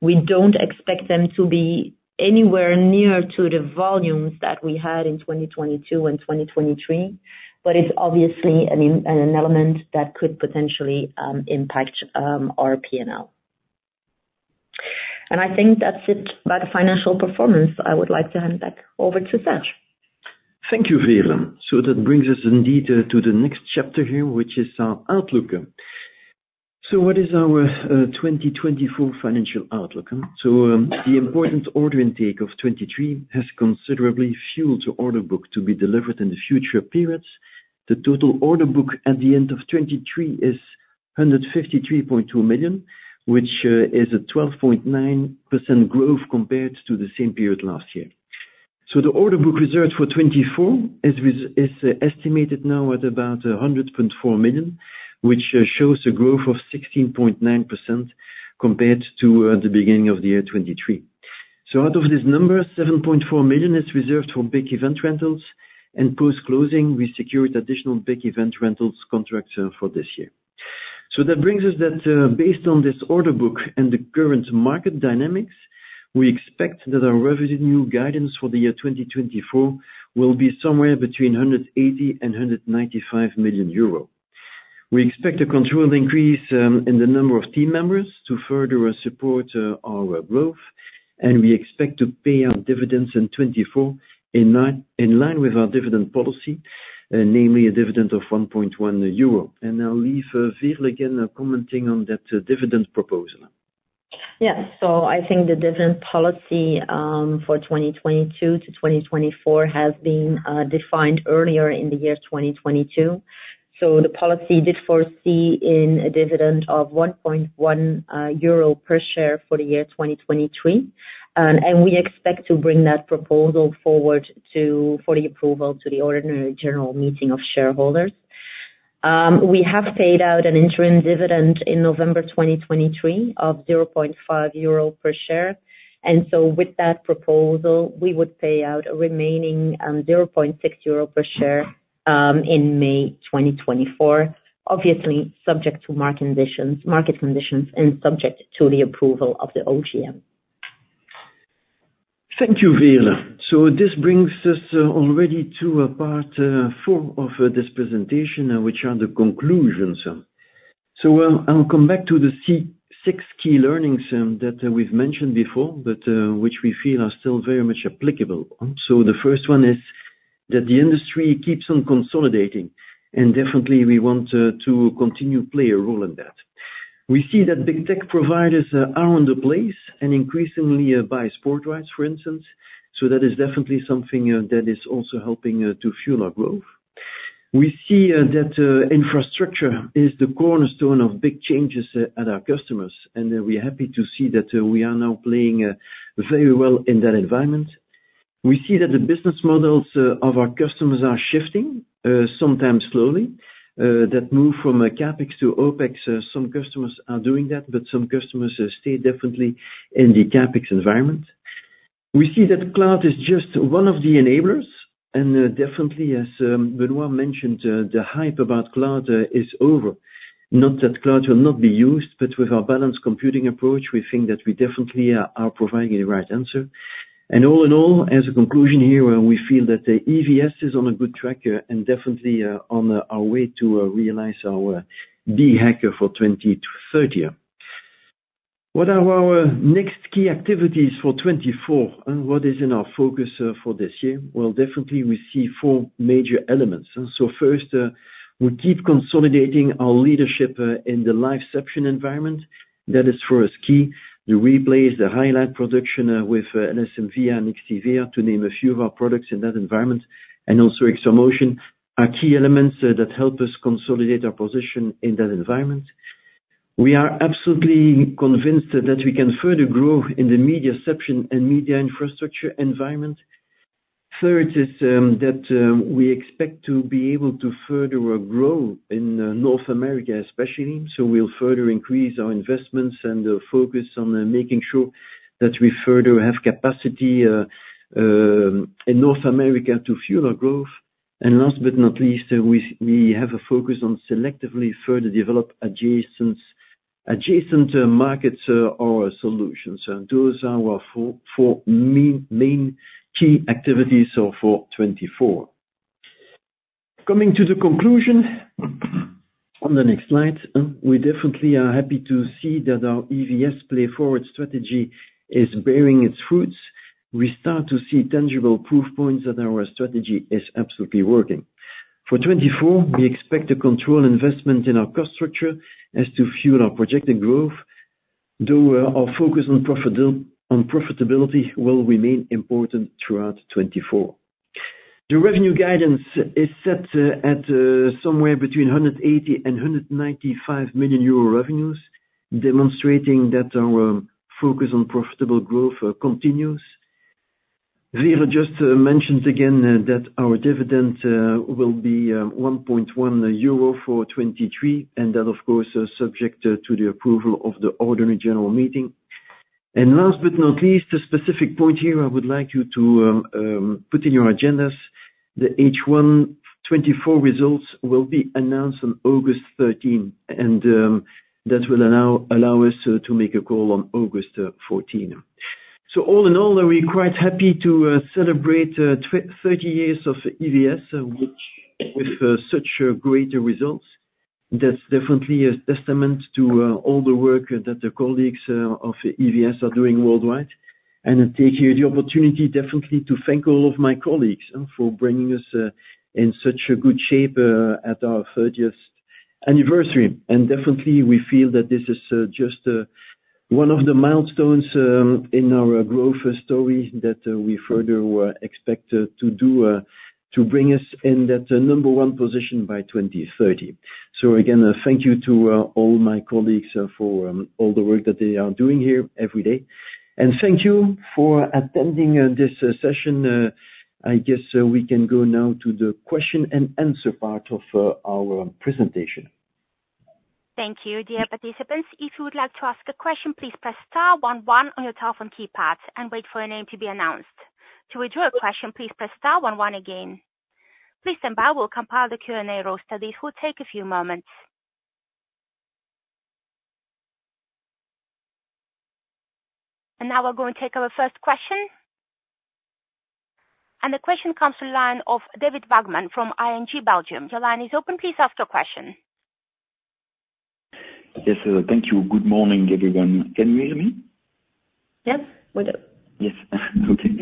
S3: We don't expect them to be anywhere near to the volumes that we had in 2022 and 2023. But it's obviously an element that could potentially impact our P&L. And I think that's it about financial performance. I would like to hand back over to Serge.
S2: Thank you, Veerle. That brings us indeed to the next chapter here, which is our outlook. What is our 2024 financial outlook? The important order intake of 2023 has considerably fueled the order book to be delivered in the future periods. The total order book at the end of 2023 is 153.2 million, which is a 12.9% growth compared to the same period last year. The order book reserved for 2024 is estimated now at about 100.4 million, which shows a growth of 16.9% compared to the beginning of the year 2023. Out of these numbers, 7.4 million is reserved for big event rentals. And post-closing, we secured additional big event rentals contracts for this year. So that brings us that based on this order book and the current market dynamics, we expect that our revenue guidance for the year 2024 will be somewhere between 180 million euro and 195 million euro. We expect a controlled increase in the number of team members to further support our growth. We expect to pay out dividends in 2024 in line with our dividend policy, namely a dividend of 1.1 euro. I'll leave Veerle again commenting on that dividend proposal.
S3: Yes. I think the dividend policy for 2022 to 2024 has been defined earlier in the year 2022. The policy did foresee a dividend of 1.1 euro per share for the year 2023. We expect to bring that proposal forward for the approval to the ordinary general meeting of shareholders. We have paid out an interim dividend in November 2023 of 0.5 euro per share. With that proposal, we would pay out a remaining 0.6 euro per share in May 2024, obviously subject to market conditions and subject to the approval of the OGM.
S2: Thank you, Veerle. So this brings us already to part four of this presentation, which are the conclusions. So I'll come back to the six key learnings that we've mentioned before, but which we feel are still very much applicable. So the first one is that the industry keeps on consolidating. And definitely, we want to continue to play a role in that. We see that big tech providers are in the place and increasingly buy sports rights, for instance. So that is definitely something that is also helping to fuel our growth. We see that infrastructure is the cornerstone of big changes at our customers. And we're happy to see that we are now playing very well in that environment. We see that the business models of our customers are shifting, sometimes slowly. That move from CapEx to OpEx, some customers are doing that, but some customers stay definitely in the CapEx environment. We see that cloud is just one of the enablers. And definitely, as Benoit mentioned, the hype about cloud is over. Not that cloud will not be used, but with our balanced computing approach, we think that we definitely are providing the right answer. And all in all, as a conclusion here, we feel that EVS is on a good track and definitely on our way to realize our BHAG for 2030. What are our next key activities for 2024? What is in our focus for this year? Well, definitely, we see four major elements. So first, we keep consolidating our leadership in the LiveCeption environment. That is for us key. The replays, the highlight production with LSM-VIA and XT-VIA, to name a few of our products in that environment, and also XtraMotion are key elements that help us consolidate our position in that environment. We are absolutely convinced that we can further grow in the MediaCeption and media infrastructure environment. Third is that we expect to be able to further grow in North America, especially. So we'll further increase our investments and focus on making sure that we further have capacity in North America to fuel our growth. And last but not least, we have a focus on selectively further develop adjacent markets or solutions. Those are our four main key activities for 2024. Coming to the conclusion on the next slide, we definitely are happy to see that our EVS PLAYForward strategy is bearing its fruits. We start to see tangible proof points that our strategy is absolutely working. For 2024, we expect a controlled investment in our cost structure as to fuel our projected growth, though our focus on profitability will remain important throughout 2024. The revenue guidance is set at somewhere between 180 million euro and 195 million euro revenues, demonstrating that our focus on profitable growth continues. Veerle just mentioned again that our dividend will be 1.1 euro for 2023 and that, of course, is subject to the approval of the ordinary general meeting. And last but not least, a specific point here I would like you to put in your agendas. The H1 2024 results will be announced on August 13. And that will allow us to make a call on August 14. So all in all, we're quite happy to celebrate 30 years of EVS with such greater results. That's definitely a testament to all the work that the colleagues of EVS are doing worldwide. I take here the opportunity, definitely, to thank all of my colleagues for bringing us in such a good shape at our 30th anniversary. Definitely, we feel that this is just one of the milestones in our growth story that we further expect to bring us in that number one position by 2030. Again, thank you to all my colleagues for all the work that they are doing here every day. Thank you for attending this session. I guess we can go now to the question and answer part of our presentation.
S1: Thank you, dear participants. If you would like to ask a question, please press star one one on your telephone keypad and wait for your name to be announced. To withdraw a question, please press star one one again. Please stand by. We'll compile the Q&A roster. This will take a few moments. Now we're going to take our first question. The question comes from the line of David Vagman from ING Belgium. Your line is open. Please ask your question.
S5: Yes. Thank you. Good morning, everyone. Can you hear me?
S3: Yes. We do.
S5: Yes. Okay.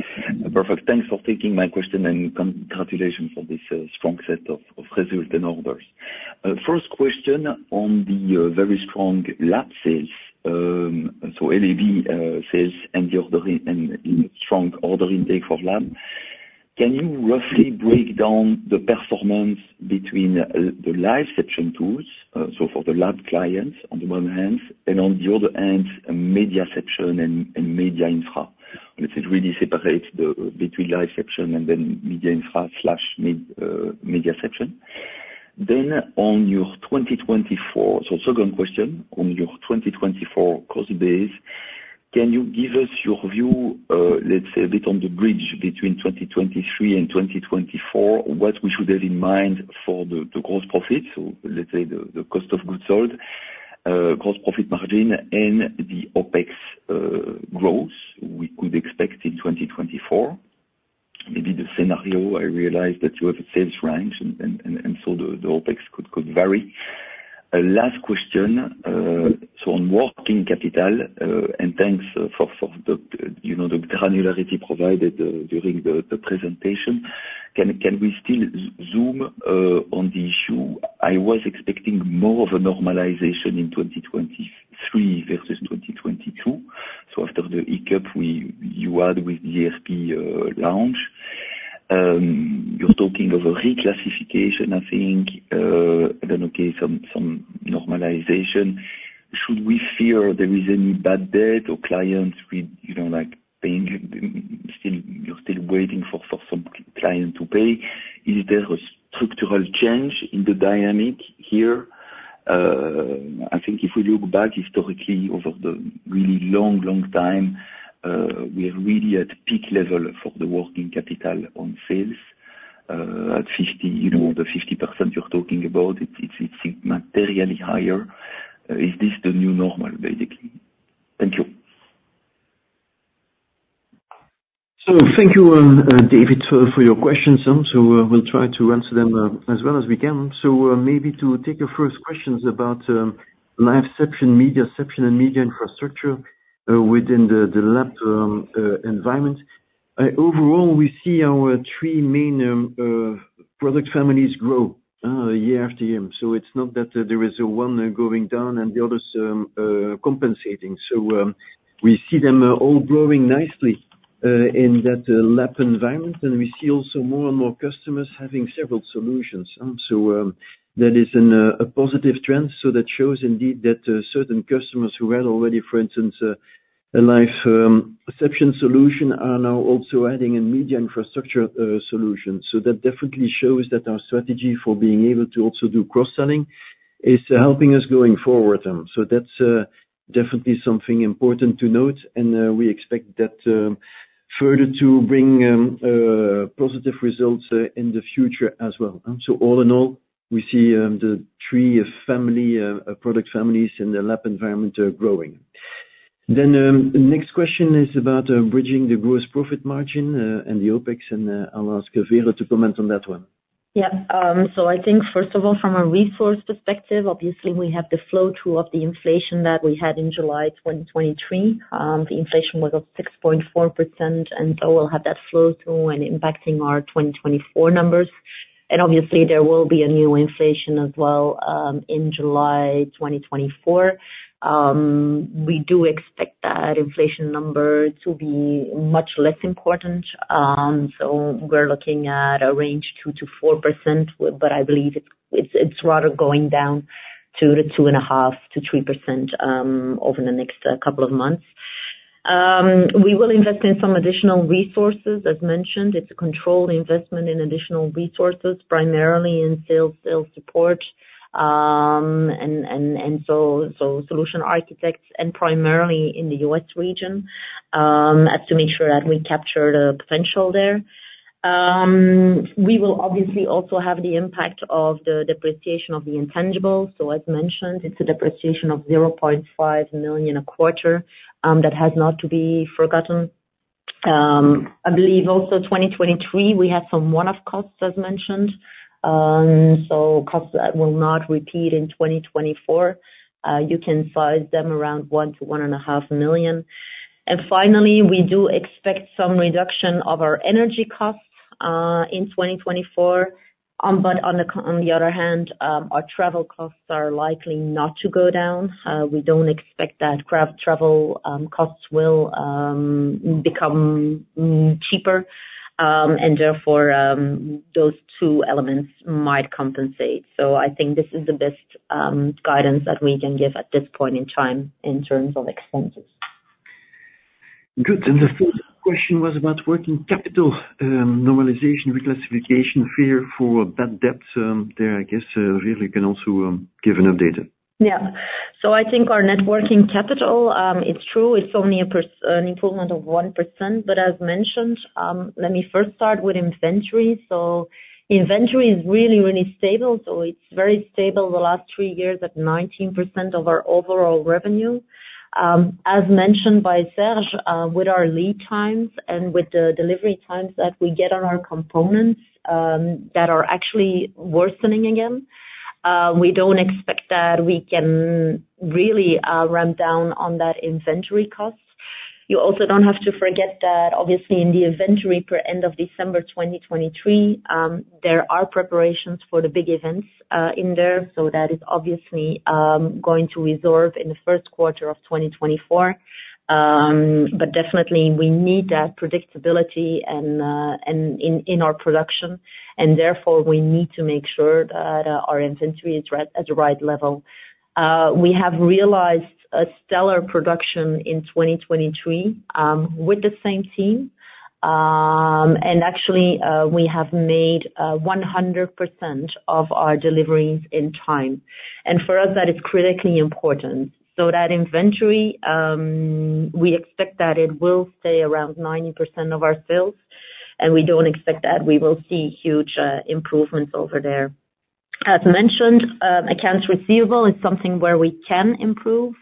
S5: Perfect. Thanks for taking my question and congratulations for this strong set of results and orders. First question on the very strong LAB sales, so LAB sales and the strong order intake for LAB. Can you roughly break down the performance between the LiveCeption tools, so for the LAB clients on the one hand, and on the other hand, MediaCeption and MediaInfra? Let's say really separate between LiveCeption and then MediaInfra/MediaCeption. Then on your 2024 so second question, on your 2024 cost base, can you give us your view, let's say, a bit on the bridge between 2023 and 2024, what we should have in mind for the gross profit, so let's say the cost of goods sold, gross profit margin, and the OpEx growth we could expect in 2024? Maybe the scenario I realize that you have a sales range, and so the OpEx could vary. Last question. So on working capital, and thanks for the granularity provided during the presentation, can we still zoom on the issue? I was expecting more of a normalization in 2023 versus 2022. So after the hiccup, you had with the ERP launch. You're talking of a reclassification, I think, and then okay, some normalization. Should we fear there is any bad debt or clients paying? You're still waiting for some client to pay. Is there a structural change in the dynamic here? I think if we look back historically over the really long, long time, we are really at peak level for the working capital on sales, at the 50% you're talking about. It's materially higher. Is this the new normal, basically? Thank you.
S2: Thank you, David, for your questions. We'll try to answer them as well as we can. Maybe to take your first questions about LiveCeption, MediaCeption, and MediaInfra within the LAB environment. Overall, we see our three main product families grow year after year. It's not that there is one going down and the others compensating. We see them all growing nicely in that LAB environment. We see also more and more customers having several solutions. That is a positive trend. That shows indeed that certain customers who had already, for instance, a LiveCeption solution are now also adding a MediaInfra solution. That definitely shows that our strategy for being able to also do cross-selling is helping us going forward. That's definitely something important to note. We expect that further to bring positive results in the future as well. All in all, we see the three product families in the lab environment growing. The next question is about bridging the gross profit margin and the OpEx. I'll ask Veerle to comment on that one.
S3: Yep. So I think, first of all, from a resource perspective, obviously, we have the flow-through of the inflation that we had in July 2023. The inflation was at 6.4%. And so we'll have that flow-through and impacting our 2024 numbers. And obviously, there will be a new inflation as well in July 2024. We do expect that inflation number to be much less important. So we're looking at a range 2%-4%, but I believe it's rather going down to the 2.5%-3% over the next couple of months. We will invest in some additional resources. As mentioned, it's a controlled investment in additional resources, primarily in sales support and so solution architects and primarily in the U.S. region as to make sure that we capture the potential there. We will obviously also have the impact of the depreciation of the intangibles. As mentioned, it's a depreciation of 0.5 million a quarter that has not to be forgotten. I believe also 2023, we had some one-off costs, as mentioned. Costs that will not repeat in 2024. You can size them around 1 million-1.5 million. Finally, we do expect some reduction of our energy costs in 2024. On the other hand, our travel costs are likely not to go down. We don't expect that travel costs will become cheaper. Therefore, those two elements might compensate. I think this is the best guidance that we can give at this point in time in terms of expenses.
S2: Good. The first question was about working capital, normalization, reclassification, fear for bad debt there. I guess Veerle can also give an update.
S3: Yeah. So I think our net working capital, it's true. It's only an improvement of 1%. But as mentioned, let me first start with inventory. So inventory is really, really stable. So it's very stable the last 3 years at 19% of our overall revenue. As mentioned by Serge, with our lead times and with the delivery times that we get on our components that are actually worsening again, we don't expect that we can really ramp down on that inventory cost. You also don't have to forget that, obviously, in the inventory at end of December 2023, there are preparations for the big events in there. So that is obviously going to resolve in the first quarter of 2024. But definitely, we need that predictability in our production. And therefore, we need to make sure that our inventory is at the right level. We have realized a stellar production in 2023 with the same team. Actually, we have made 100% of our deliveries in time. For us, that is critically important. That inventory, we expect that it will stay around 90% of our sales. We don't expect that we will see huge improvements over there. As mentioned, accounts receivable is something where we can improve.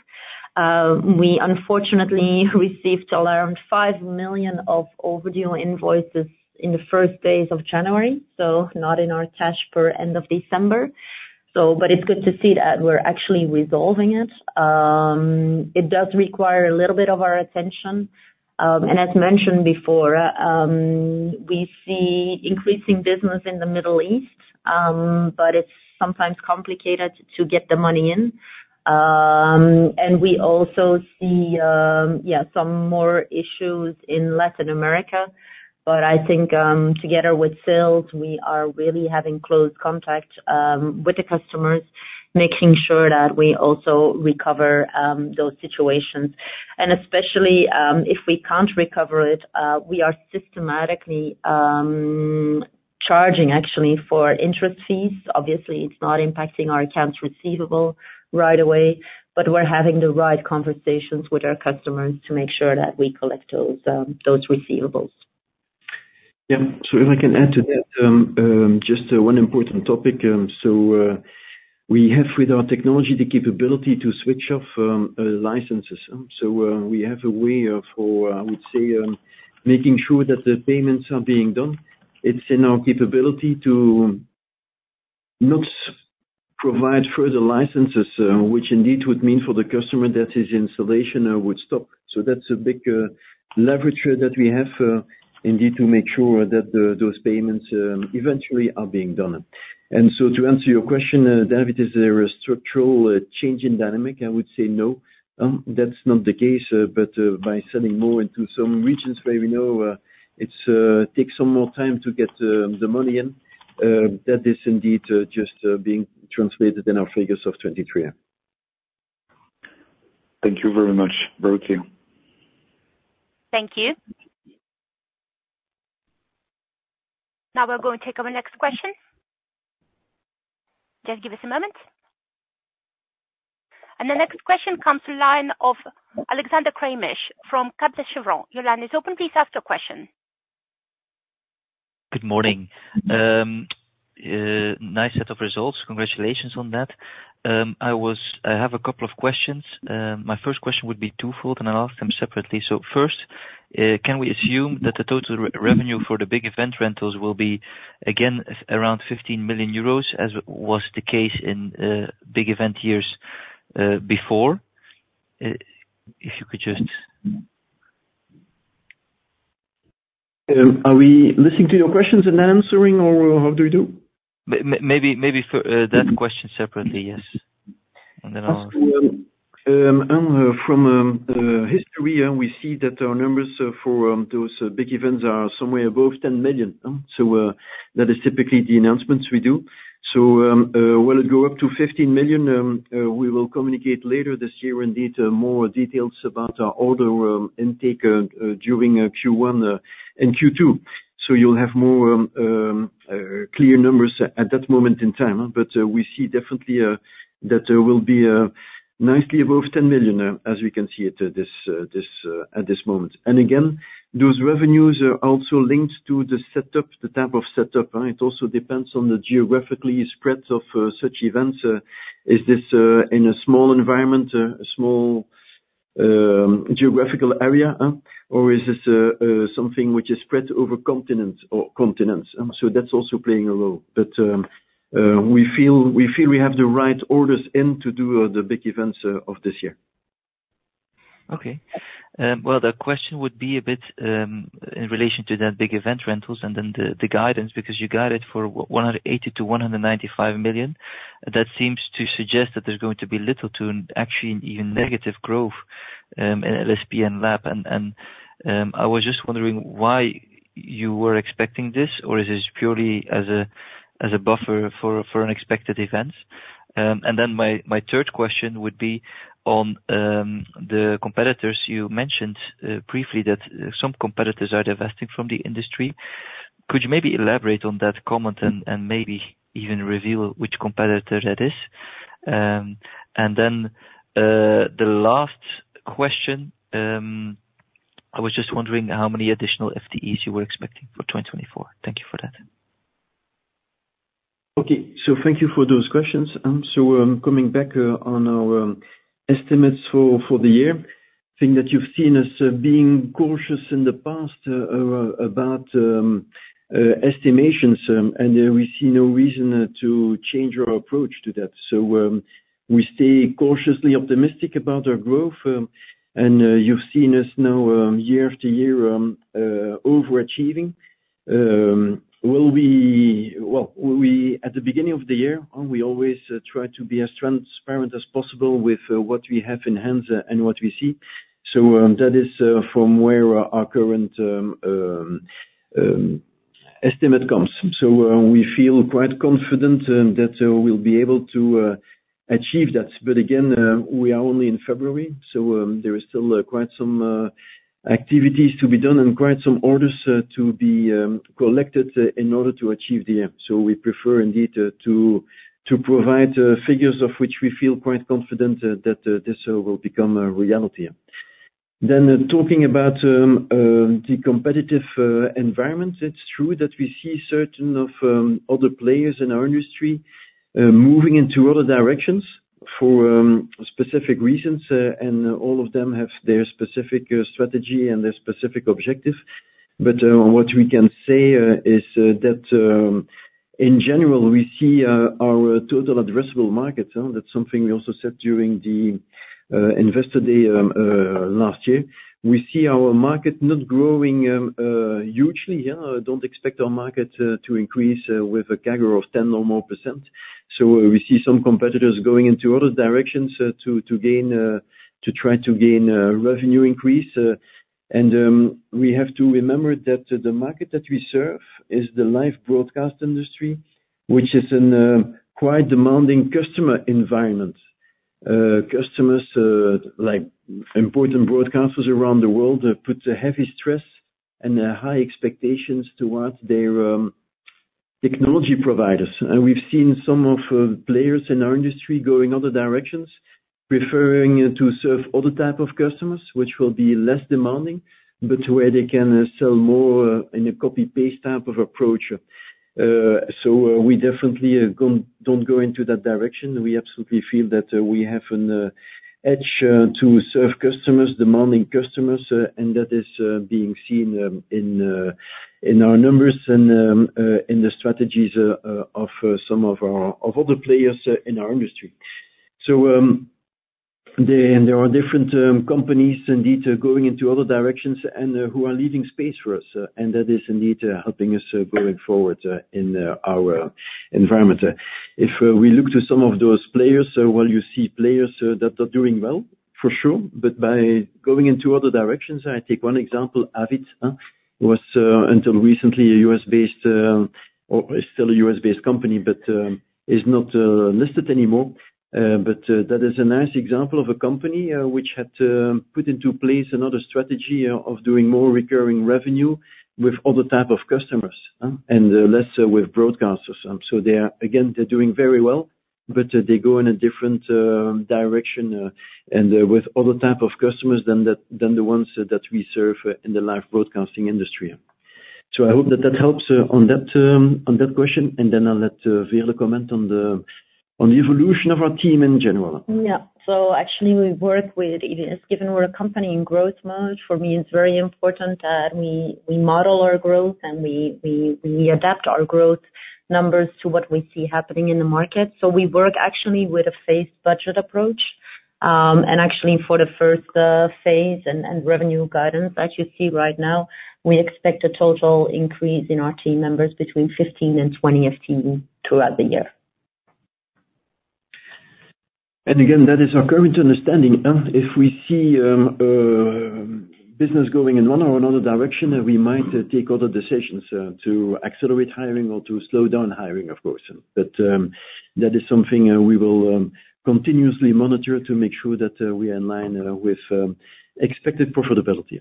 S3: We, unfortunately, received around 5 million of overdue invoices in the first days of January, so not in our cash per end of December. It's good to see that we're actually resolving it. It does require a little bit of our attention. As mentioned before, we see increasing business in the Middle East, but it's sometimes complicated to get the money in. We also see, yeah, some more issues in Latin America. But I think together with sales, we are really having close contact with the customers, making sure that we also recover those situations. And especially if we can't recover it, we are systematically charging, actually, for interest fees. Obviously, it's not impacting our accounts receivable right away. But we're having the right conversations with our customers to make sure that we collect those receivables.
S2: Yep. So if I can add to that, just one important topic. So we have, with our technology, the capability to switch off licenses. So we have a way for, I would say, making sure that the payments are being done. It's in our capability to not provide further licenses, which indeed would mean for the customer that his installation would stop. So that's a big leverage that we have indeed to make sure that those payments eventually are being done. And so to answer your question, David, is there a structural change in dynamic? I would say no. That's not the case. But by selling more into some regions where we know it takes some more time to get the money in, that is indeed just being translated in our figures of 2023.
S5: Thank you very much, Veerle.
S1: Thank you. Now we're going to take our next question. Just give us a moment. The next question comes from the line of Alexander Craeymeersch from Kepler Cheuvreux. Your line is open. Please ask your question.
S6: Good morning. Nice set of results. Congratulations on that. I have a couple of questions. My first question would be twofold, and I'll ask them separately. So first, can we assume that the total revenue for the big event rentals will be, again, around 15 million euros as was the case in big event years before? If you could just.
S2: Are we listening to your questions and then answering, or how do we do?
S6: Maybe that question separately, yes. And then I'll ask.
S2: As from history. We see that our numbers for those big events are somewhere above 10 million. That is typically the announcements we do. Will it go up to 15 million? We will communicate later this year indeed more details about our order intake during Q1 and Q2. You'll have more clear numbers at that moment in time. But we see definitely that there will be nicely above 10 million as we can see it at this moment. And again, those revenues are also linked to the setup, the type of setup. It also depends on the geographically spread of such events. Is this in a small environment, a small geographical area, or is this something which is spread over continents? That's also playing a role. But we feel we have the right orders in to do the big events of this year.
S6: Okay. Well, the question would be a bit in relation to that big event rentals and then the guidance because you guided for 180 million-195 million. That seems to suggest that there's going to be little to actually even negative growth in LSP and LAB. And I was just wondering why you were expecting this, or is this purely as a buffer for unexpected events? And then my third question would be on the competitors. You mentioned briefly that some competitors are divesting from the industry. Could you maybe elaborate on that comment and maybe even reveal which competitor that is? And then the last question, I was just wondering how many additional FTEs you were expecting for 2024. Thank you for that.
S2: Okay. So thank you for those questions. So coming back on our estimates for the year, I think that you've seen us being cautious in the past about estimations. And we see no reason to change our approach to that. So we stay cautiously optimistic about our growth. And you've seen us now year after year overachieving. Well, at the beginning of the year, we always try to be as transparent as possible with what we have in hand and what we see. So that is from where our current estimate comes. So we feel quite confident that we'll be able to achieve that. But again, we are only in February. So there is still quite some activities to be done and quite some orders to be collected in order to achieve the year. So we prefer indeed to provide figures of which we feel quite confident that this will become a reality. Then talking about the competitive environment, it's true that we see certain of other players in our industry moving into other directions for specific reasons. And all of them have their specific strategy and their specific objective. But what we can say is that, in general, we see our total addressable markets that's something we also said during the investor day last year. We see our market not growing hugely. I don't expect our market to increase with a CAGR of 10% or more. So we see some competitors going into other directions to try to gain revenue increase. And we have to remember that the market that we serve is the live broadcast industry, which is in quite demanding customer environments. Customers, like important broadcasters around the world, put heavy stress and high expectations towards their technology providers. We've seen some of the players in our industry going other directions, preferring to serve other type of customers, which will be less demanding, but where they can sell more in a copy-paste type of approach. We definitely don't go into that direction. We absolutely feel that we have an edge to serve customers, demanding customers. That is being seen in our numbers and in the strategies of some of our other players in our industry. There are different companies indeed going into other directions and who are leaving space for us. That is indeed helping us going forward in our environment. If we look to some of those players, well, you see players that are doing well, for sure. But by going into other directions, I take one example. Avid was until recently a U.S.-based or is still a U.S.-based company, but is not listed anymore. But that is a nice example of a company which had put into place another strategy of doing more recurring revenue with other type of customers and less with broadcasters. So again, they're doing very well, but they go in a different direction and with other type of customers than the ones that we serve in the live broadcasting industry. So I hope that that helps on that question. And then I'll let Veerle comment on the evolution of our team in general.
S3: Yeah. So actually, we work with it. It is given we're a company in growth mode, for me, it's very important that we model our growth and we adapt our growth numbers to what we see happening in the market. So we work actually with a phased budget approach. And actually, for the first phase and revenue guidance that you see right now, we expect a total increase in our team members between 15-20 FTE throughout the year.
S2: And again, that is our current understanding. If we see business going in one or another direction, we might take other decisions to accelerate hiring or to slow down hiring, of course. But that is something we will continuously monitor to make sure that we are in line with expected profitability.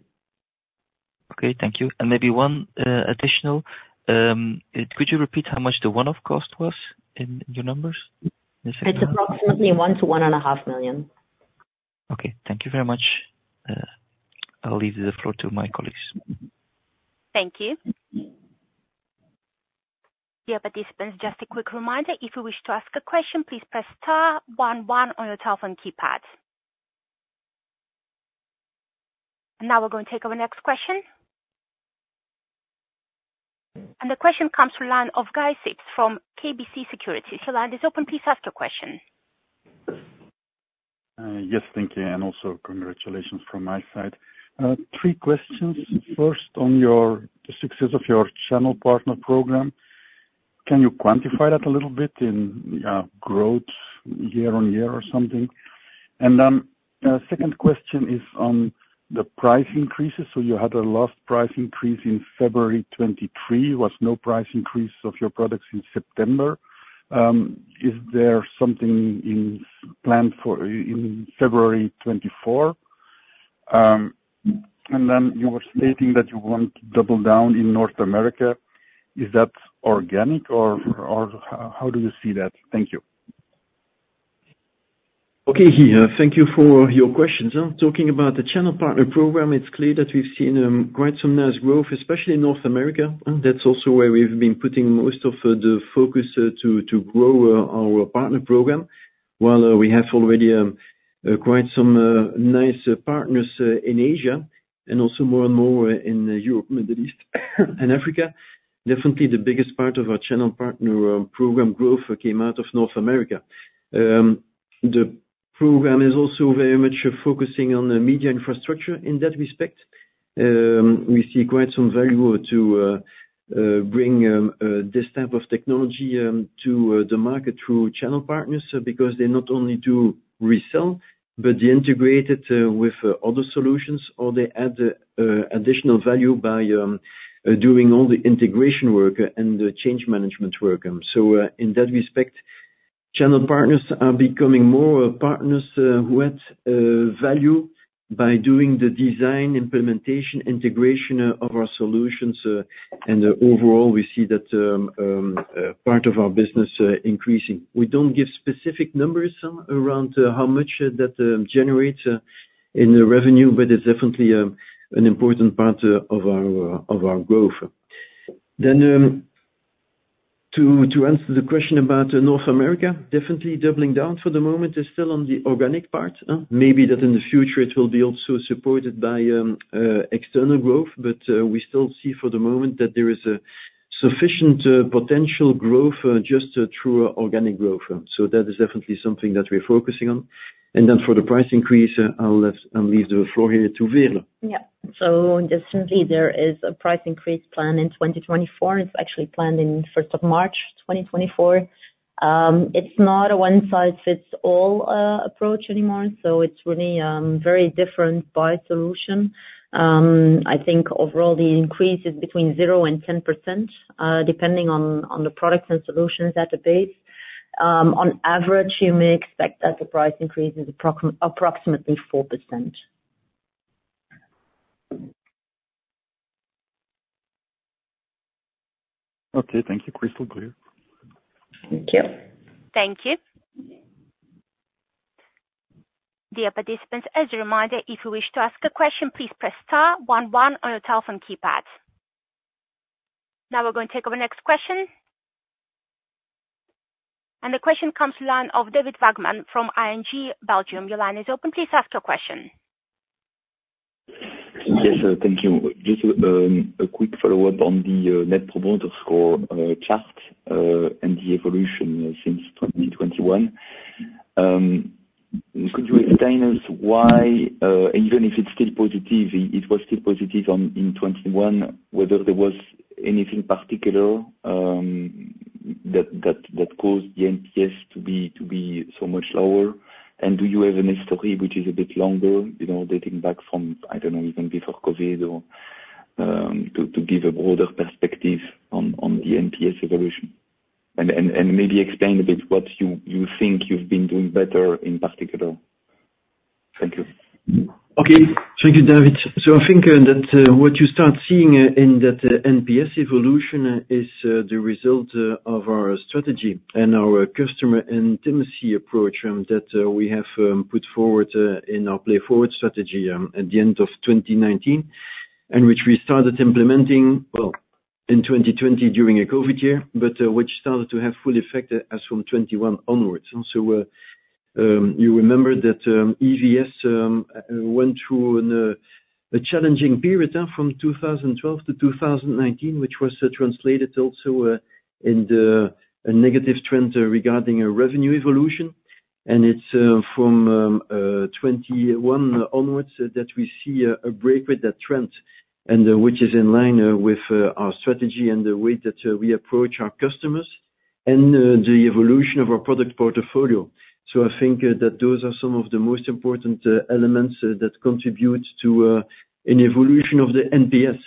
S6: Okay. Thank you. And maybe one additional. Could you repeat how much the one-off cost was in your numbers?
S3: It's approximately 1 million-1.5 million.
S6: Okay. Thank you very much. I'll leave the floor to my colleagues.
S1: Thank you. Yeah, participants, just a quick reminder. If you wish to ask a question, please press star one one on your telephone keypad. Now we're going to take our next question. The question comes from the line of Guy Sips from KBC Securities. Your line is open. Please ask your question.
S7: Yes. Thank you. And also congratulations from my side. Three questions. First, on the success of your channel partner program, can you quantify that a little bit in growth year-over-year or something? And then the second question is on the price increases. So you had a last price increase in February 2023. There was no price increase of your products in September. Is there something planned for in February 2024? And then you were stating that you want to double down in North America. Is that organic, or how do you see that? Thank you.
S2: Okay. Thank you for your questions. Talking about the channel partner program, it's clear that we've seen quite some nice growth, especially in North America. That's also where we've been putting most of the focus to grow our partner program. While we have already quite some nice partners in Asia and also more and more in Europe, Middle East, and Africa, definitely the biggest part of our channel partner program growth came out of North America. The program is also very much focusing on media infrastructure in that respect. We see quite some value to bring this type of technology to the market through channel partners because they not only do resell, but they integrate it with other solutions, or they add additional value by doing all the integration work and the change management work. So in that respect, channel partners are becoming more partners who add value by doing the design, implementation, integration of our solutions. Overall, we see that part of our business increasing. We don't give specific numbers around how much that generates in revenue, but it's definitely an important part of our growth. Then to answer the question about North America, definitely doubling down for the moment is still on the organic part. Maybe that in the future, it will be also supported by external growth. But we still see for the moment that there is sufficient potential growth just through organic growth. So that is definitely something that we're focusing on. And then for the price increase, I'll leave the floor here to Veerle.
S3: Yeah. So definitely, there is a price increase plan in 2024. It's actually planned in 1st of March 2024. It's not a one-size-fits-all approach anymore. So it's really very different by solution. I think overall, the increase is between 0%-10% depending on the products and solutions at the base. On average, you may expect that the price increase is approximately 4%.
S7: Okay. Thank you, crystal clear.
S3: Thank you.
S1: Thank you. Dear participants, as a reminder, if you wish to ask a question, please press star one one on your telephone keypad. Now we're going to take our next question. The question comes from the line of David Vagman from ING Belgium. Your line is open. Please ask your question.
S5: Yes. Thank you. Just a quick follow-up on the net promoter score chart and the evolution since 2021. Could you explain to us why, even if it's still positive, it was still positive in 2021, whether there was anything particular that caused the NPS to be so much lower? And do you have a history which is a bit longer dating back from, I don't know, even before COVID, to give a broader perspective on the NPS evolution? And maybe explain a bit what you think you've been doing better in particular. Thank you.
S2: Okay. Thank you, David. So I think that what you start seeing in that NPS evolution is the result of our strategy and our customer intimacy approach that we have put forward in our PLAYForward strategy at the end of 2019 and which we started implementing, well, in 2020 during a COVID year, but which started to have full effect as from 2021 onwards. So you remember that EVS went through a challenging period from 2012 to 2019, which was translated also in a negative trend regarding revenue evolution. And it's from 2021 onwards that we see a break with that trend, which is in line with our strategy and the way that we approach our customers and the evolution of our product portfolio. So I think that those are some of the most important elements that contribute to an evolution of the NPS.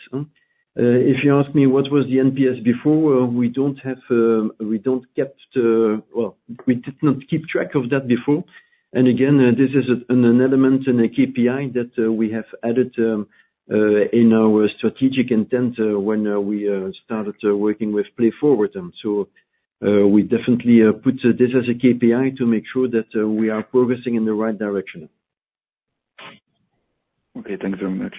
S2: If you ask me what was the NPS before, we don't have. We did not keep track of that before. And again, this is an element and a KPI that we have added in our strategic intent when we started working with PLAYForward. So we definitely put this as a KPI to make sure that we are progressing in the right direction. Okay. Thanks very much.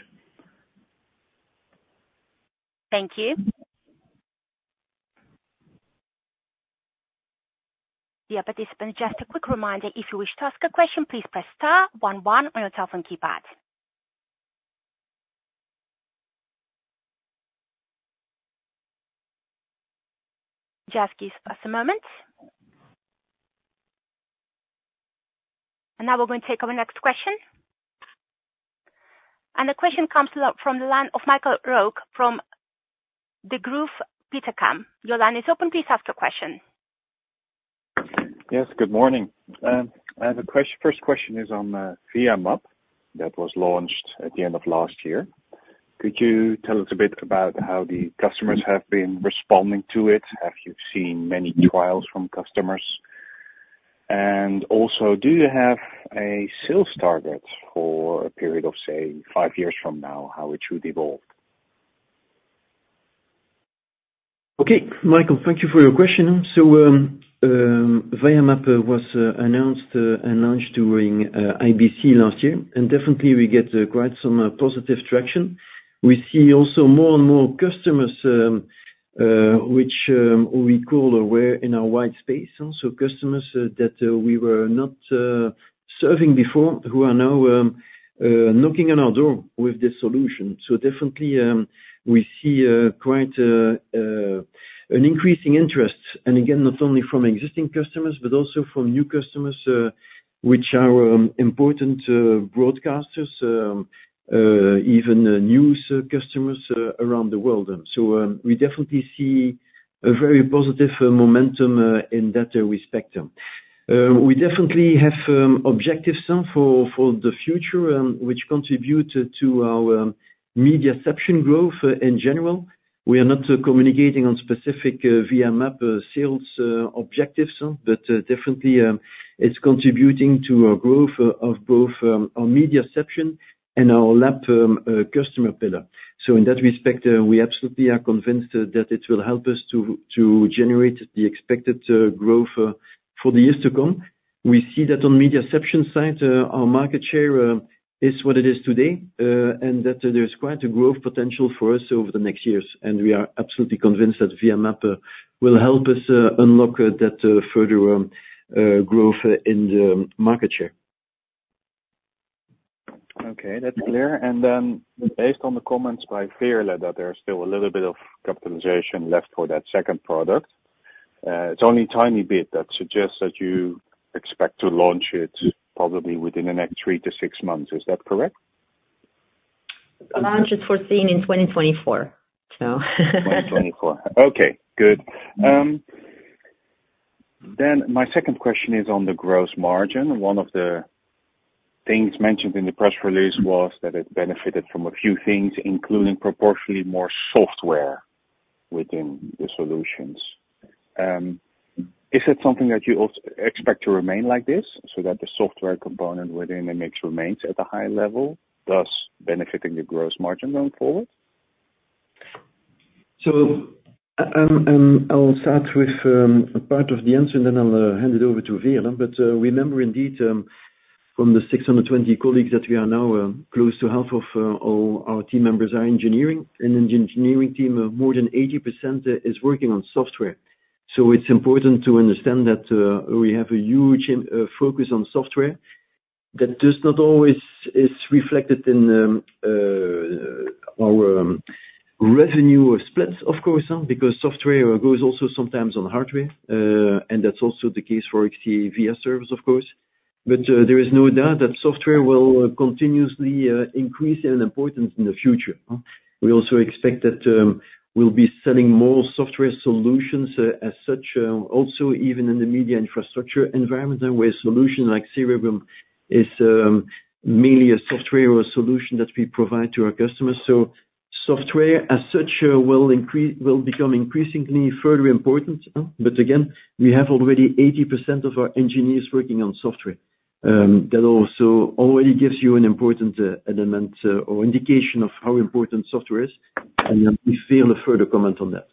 S1: Thank you. Dear participants, just a quick reminder. If you wish to ask a question, please press star one one on your telephone keypad. Just give us a moment. Now we're going to take our next question. The question comes from the line of Michael Roeg from Degroof Petercam. Your line is open. Please ask your question.
S8: Yes. Good morning. First question is on VIA MAP that was launched at the end of last year. Could you tell us a bit about how the customers have been responding to it? Have you seen many trials from customers? And also, do you have a sales target for a period of, say, five years from now, how it should evolve?
S2: Okay. Michael, thank you for your question. So VIA MAP was announced and launched during IBC last year. And definitely, we get quite some positive traction. We see also more and more customers, which we call aware in our white space, so customers that we were not serving before who are now knocking on our door with this solution. So definitely, we see quite an increasing interest. And again, not only from existing customers, but also from new customers, which are important broadcasters, even news customers around the world. So we definitely see a very positive momentum in that respect. We definitely have objectives for the future, which contribute to our MediaCeption growth in general. We are not communicating on specific VIA MAP sales objectives, but definitely, it's contributing to our growth of both our MediaCeption and our LAB customer pillar. So in that respect, we absolutely are convinced that it will help us to generate the expected growth for the years to come. We see that on MediaCeption side, our market share is what it is today and that there's quite a growth potential for us over the next years. And we are absolutely convinced that VIA MAP will help us unlock that further growth in the market share.
S8: Okay. That's clear. And then based on the comments by Veerle, that there's still a little bit of capitalization left for that second product, it's only a tiny bit that suggests that you expect to launch it probably within the next three to six months. Is that correct?
S3: The launch is foreseen in 2024, so.
S8: 2024. Okay. Good. Then my second question is on the gross margin. One of the things mentioned in the press release was that it benefited from a few things, including proportionally more software within the solutions. Is that something that you expect to remain like this so that the software component within the mix remains at a high level, thus benefiting the gross margin going forward?
S2: So I'll start with a part of the answer, and then I'll hand it over to Veerle. But remember, indeed, from the 620 colleagues that we are now, close to half of all our team members are engineering. And in the engineering team, more than 80% is working on software. So it's important to understand that we have a huge focus on software that just not always is reflected in our revenue splits, of course, because software goes also sometimes on hardware. And that's also the case for XT-VIA servers, of course. But there is no doubt that software will continuously increase in importance in the future. We also expect that we'll be selling more software solutions as such, also even in the media infrastructure environment where a solution like Cerebrum is mainly a software solution that we provide to our customers. So software as such will become increasingly further important. But again, we have already 80% of our engineers working on software. That also already gives you an important element or indication of how important software is. And then we feel a further comment on that.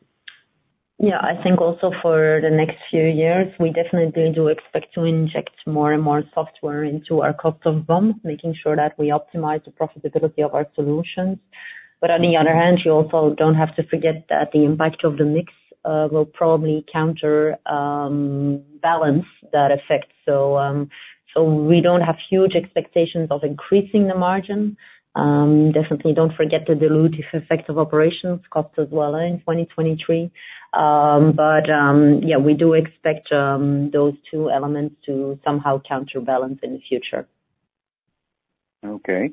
S3: Yeah. I think also for the next few years, we definitely do expect to inject more and more software into our cost of BOM, making sure that we optimize the profitability of our solutions. But on the other hand, you also don't have to forget that the impact of the mix will probably counterbalance that effect. So we don't have huge expectations of increasing the margin. Definitely don't forget the dilutive effect of operations cost as well in 2023. But yeah, we do expect those two elements to somehow counterbalance in the future.
S8: Okay.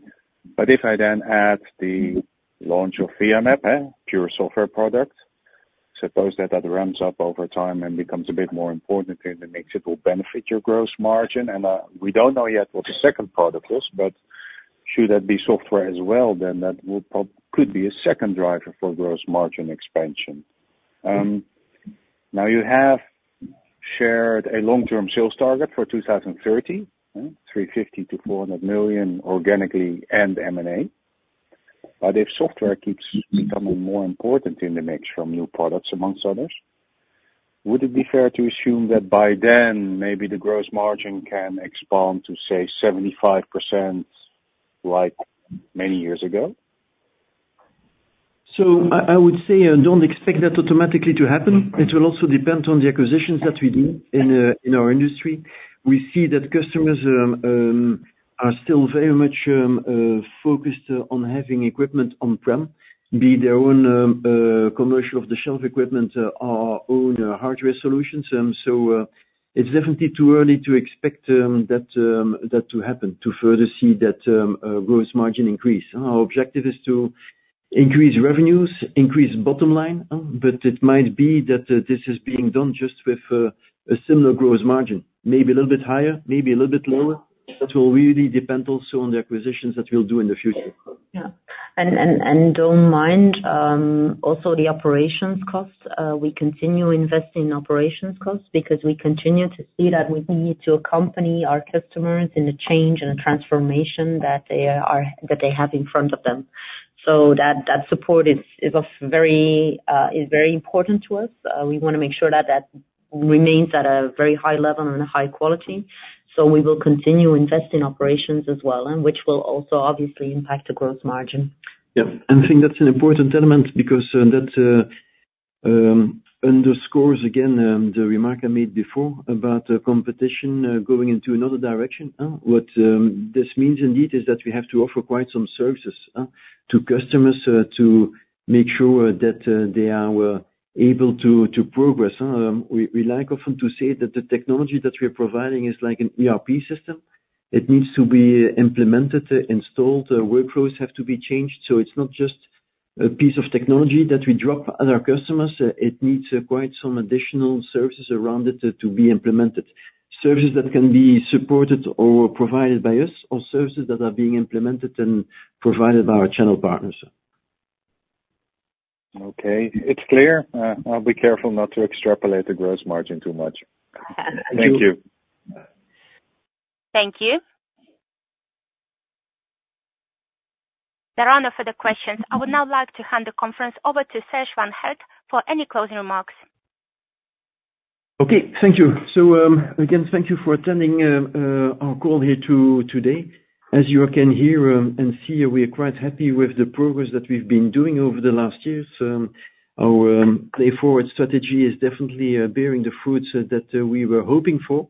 S8: But if I then add the launch of VIA MAP, pure software product, suppose that that ramps up over time and becomes a bit more important in the mix, it will benefit your gross margin. And we don't know yet what the second product is, but should that be software as well, then that could be a second driver for gross margin expansion. Now, you have shared a long-term sales target for 2030, 350 million-400 million organically and M&A. But if software keeps becoming more important in the mix from new products, amongst others, would it be fair to assume that by then, maybe the gross margin can expand to, say, 75% like many years ago?
S2: I would say don't expect that automatically to happen. It will also depend on the acquisitions that we do in our industry. We see that customers are still very much focused on having equipment on-prem, be their own commercial off-the-shelf equipment, our own hardware solutions. It's definitely too early to expect that to happen, to further see that gross margin increase. Our objective is to increase revenues, increase bottom line. But it might be that this is being done just with a similar gross margin, maybe a little bit higher, maybe a little bit lower. That will really depend also on the acquisitions that we'll do in the future.
S3: Yeah. And don't mind also the operations costs. We continue investing in operations costs because we continue to see that we need to accompany our customers in the change and transformation that they have in front of them. So that support is very important to us. We want to make sure that that remains at a very high level and a high quality. So we will continue investing in operations as well, which will also obviously impact the gross margin.
S2: Yeah. I think that's an important element because that underscores, again, the remark I made before about competition going into another direction. What this means, indeed, is that we have to offer quite some services to customers to make sure that they are able to progress. We like often to say that the technology that we are providing is like an ERP system. It needs to be implemented, installed. Workflows have to be changed. So it's not just a piece of technology that we drop at our customers. It needs quite some additional services around it to be implemented, services that can be supported or provided by us or services that are being implemented and provided by our channel partners.
S8: Okay. It's clear. I'll be careful not to extrapolate the gross margin too much. Thank you.
S1: Thank you. There are no further questions. I would now like to hand the conference over to Serge Van Herck for any closing remarks.
S2: Okay. Thank you. So again, thank you for attending our call here today. As you can hear and see, we are quite happy with the progress that we've been doing over the last years. Our PLAYForward strategy is definitely bearing the fruits that we were hoping for.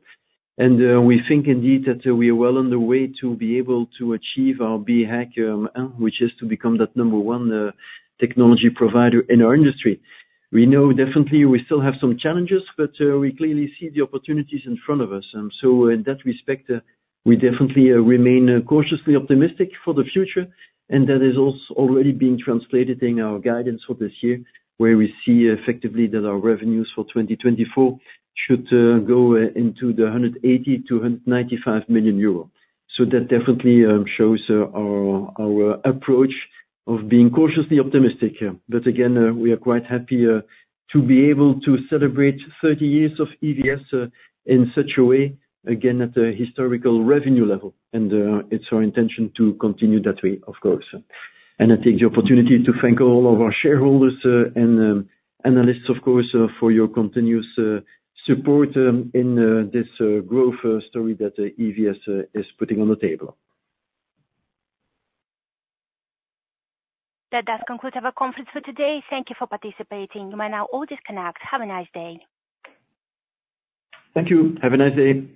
S2: And we think, indeed, that we are well on the way to be able to achieve our BHAG, which is to become that number one technology provider in our industry. We know definitely we still have some challenges, but we clearly see the opportunities in front of us. So in that respect, we definitely remain cautiously optimistic for the future. And that is also already being translated in our guidance for this year where we see effectively that our revenues for 2024 should go into the 180 million-195 million euro. So that definitely shows our approach of being cautiously optimistic. Again, we are quite happy to be able to celebrate 30 years of EVS in such a way, again, at a historical revenue level. It's our intention to continue that way, of course. I take the opportunity to thank all of our shareholders and analysts, of course, for your continuous support in this growth story that EVS is putting on the table.
S1: That does conclude our conference for today. Thank you for participating. You may now all disconnect. Have a nice day.
S2: Thank you. Have a nice day.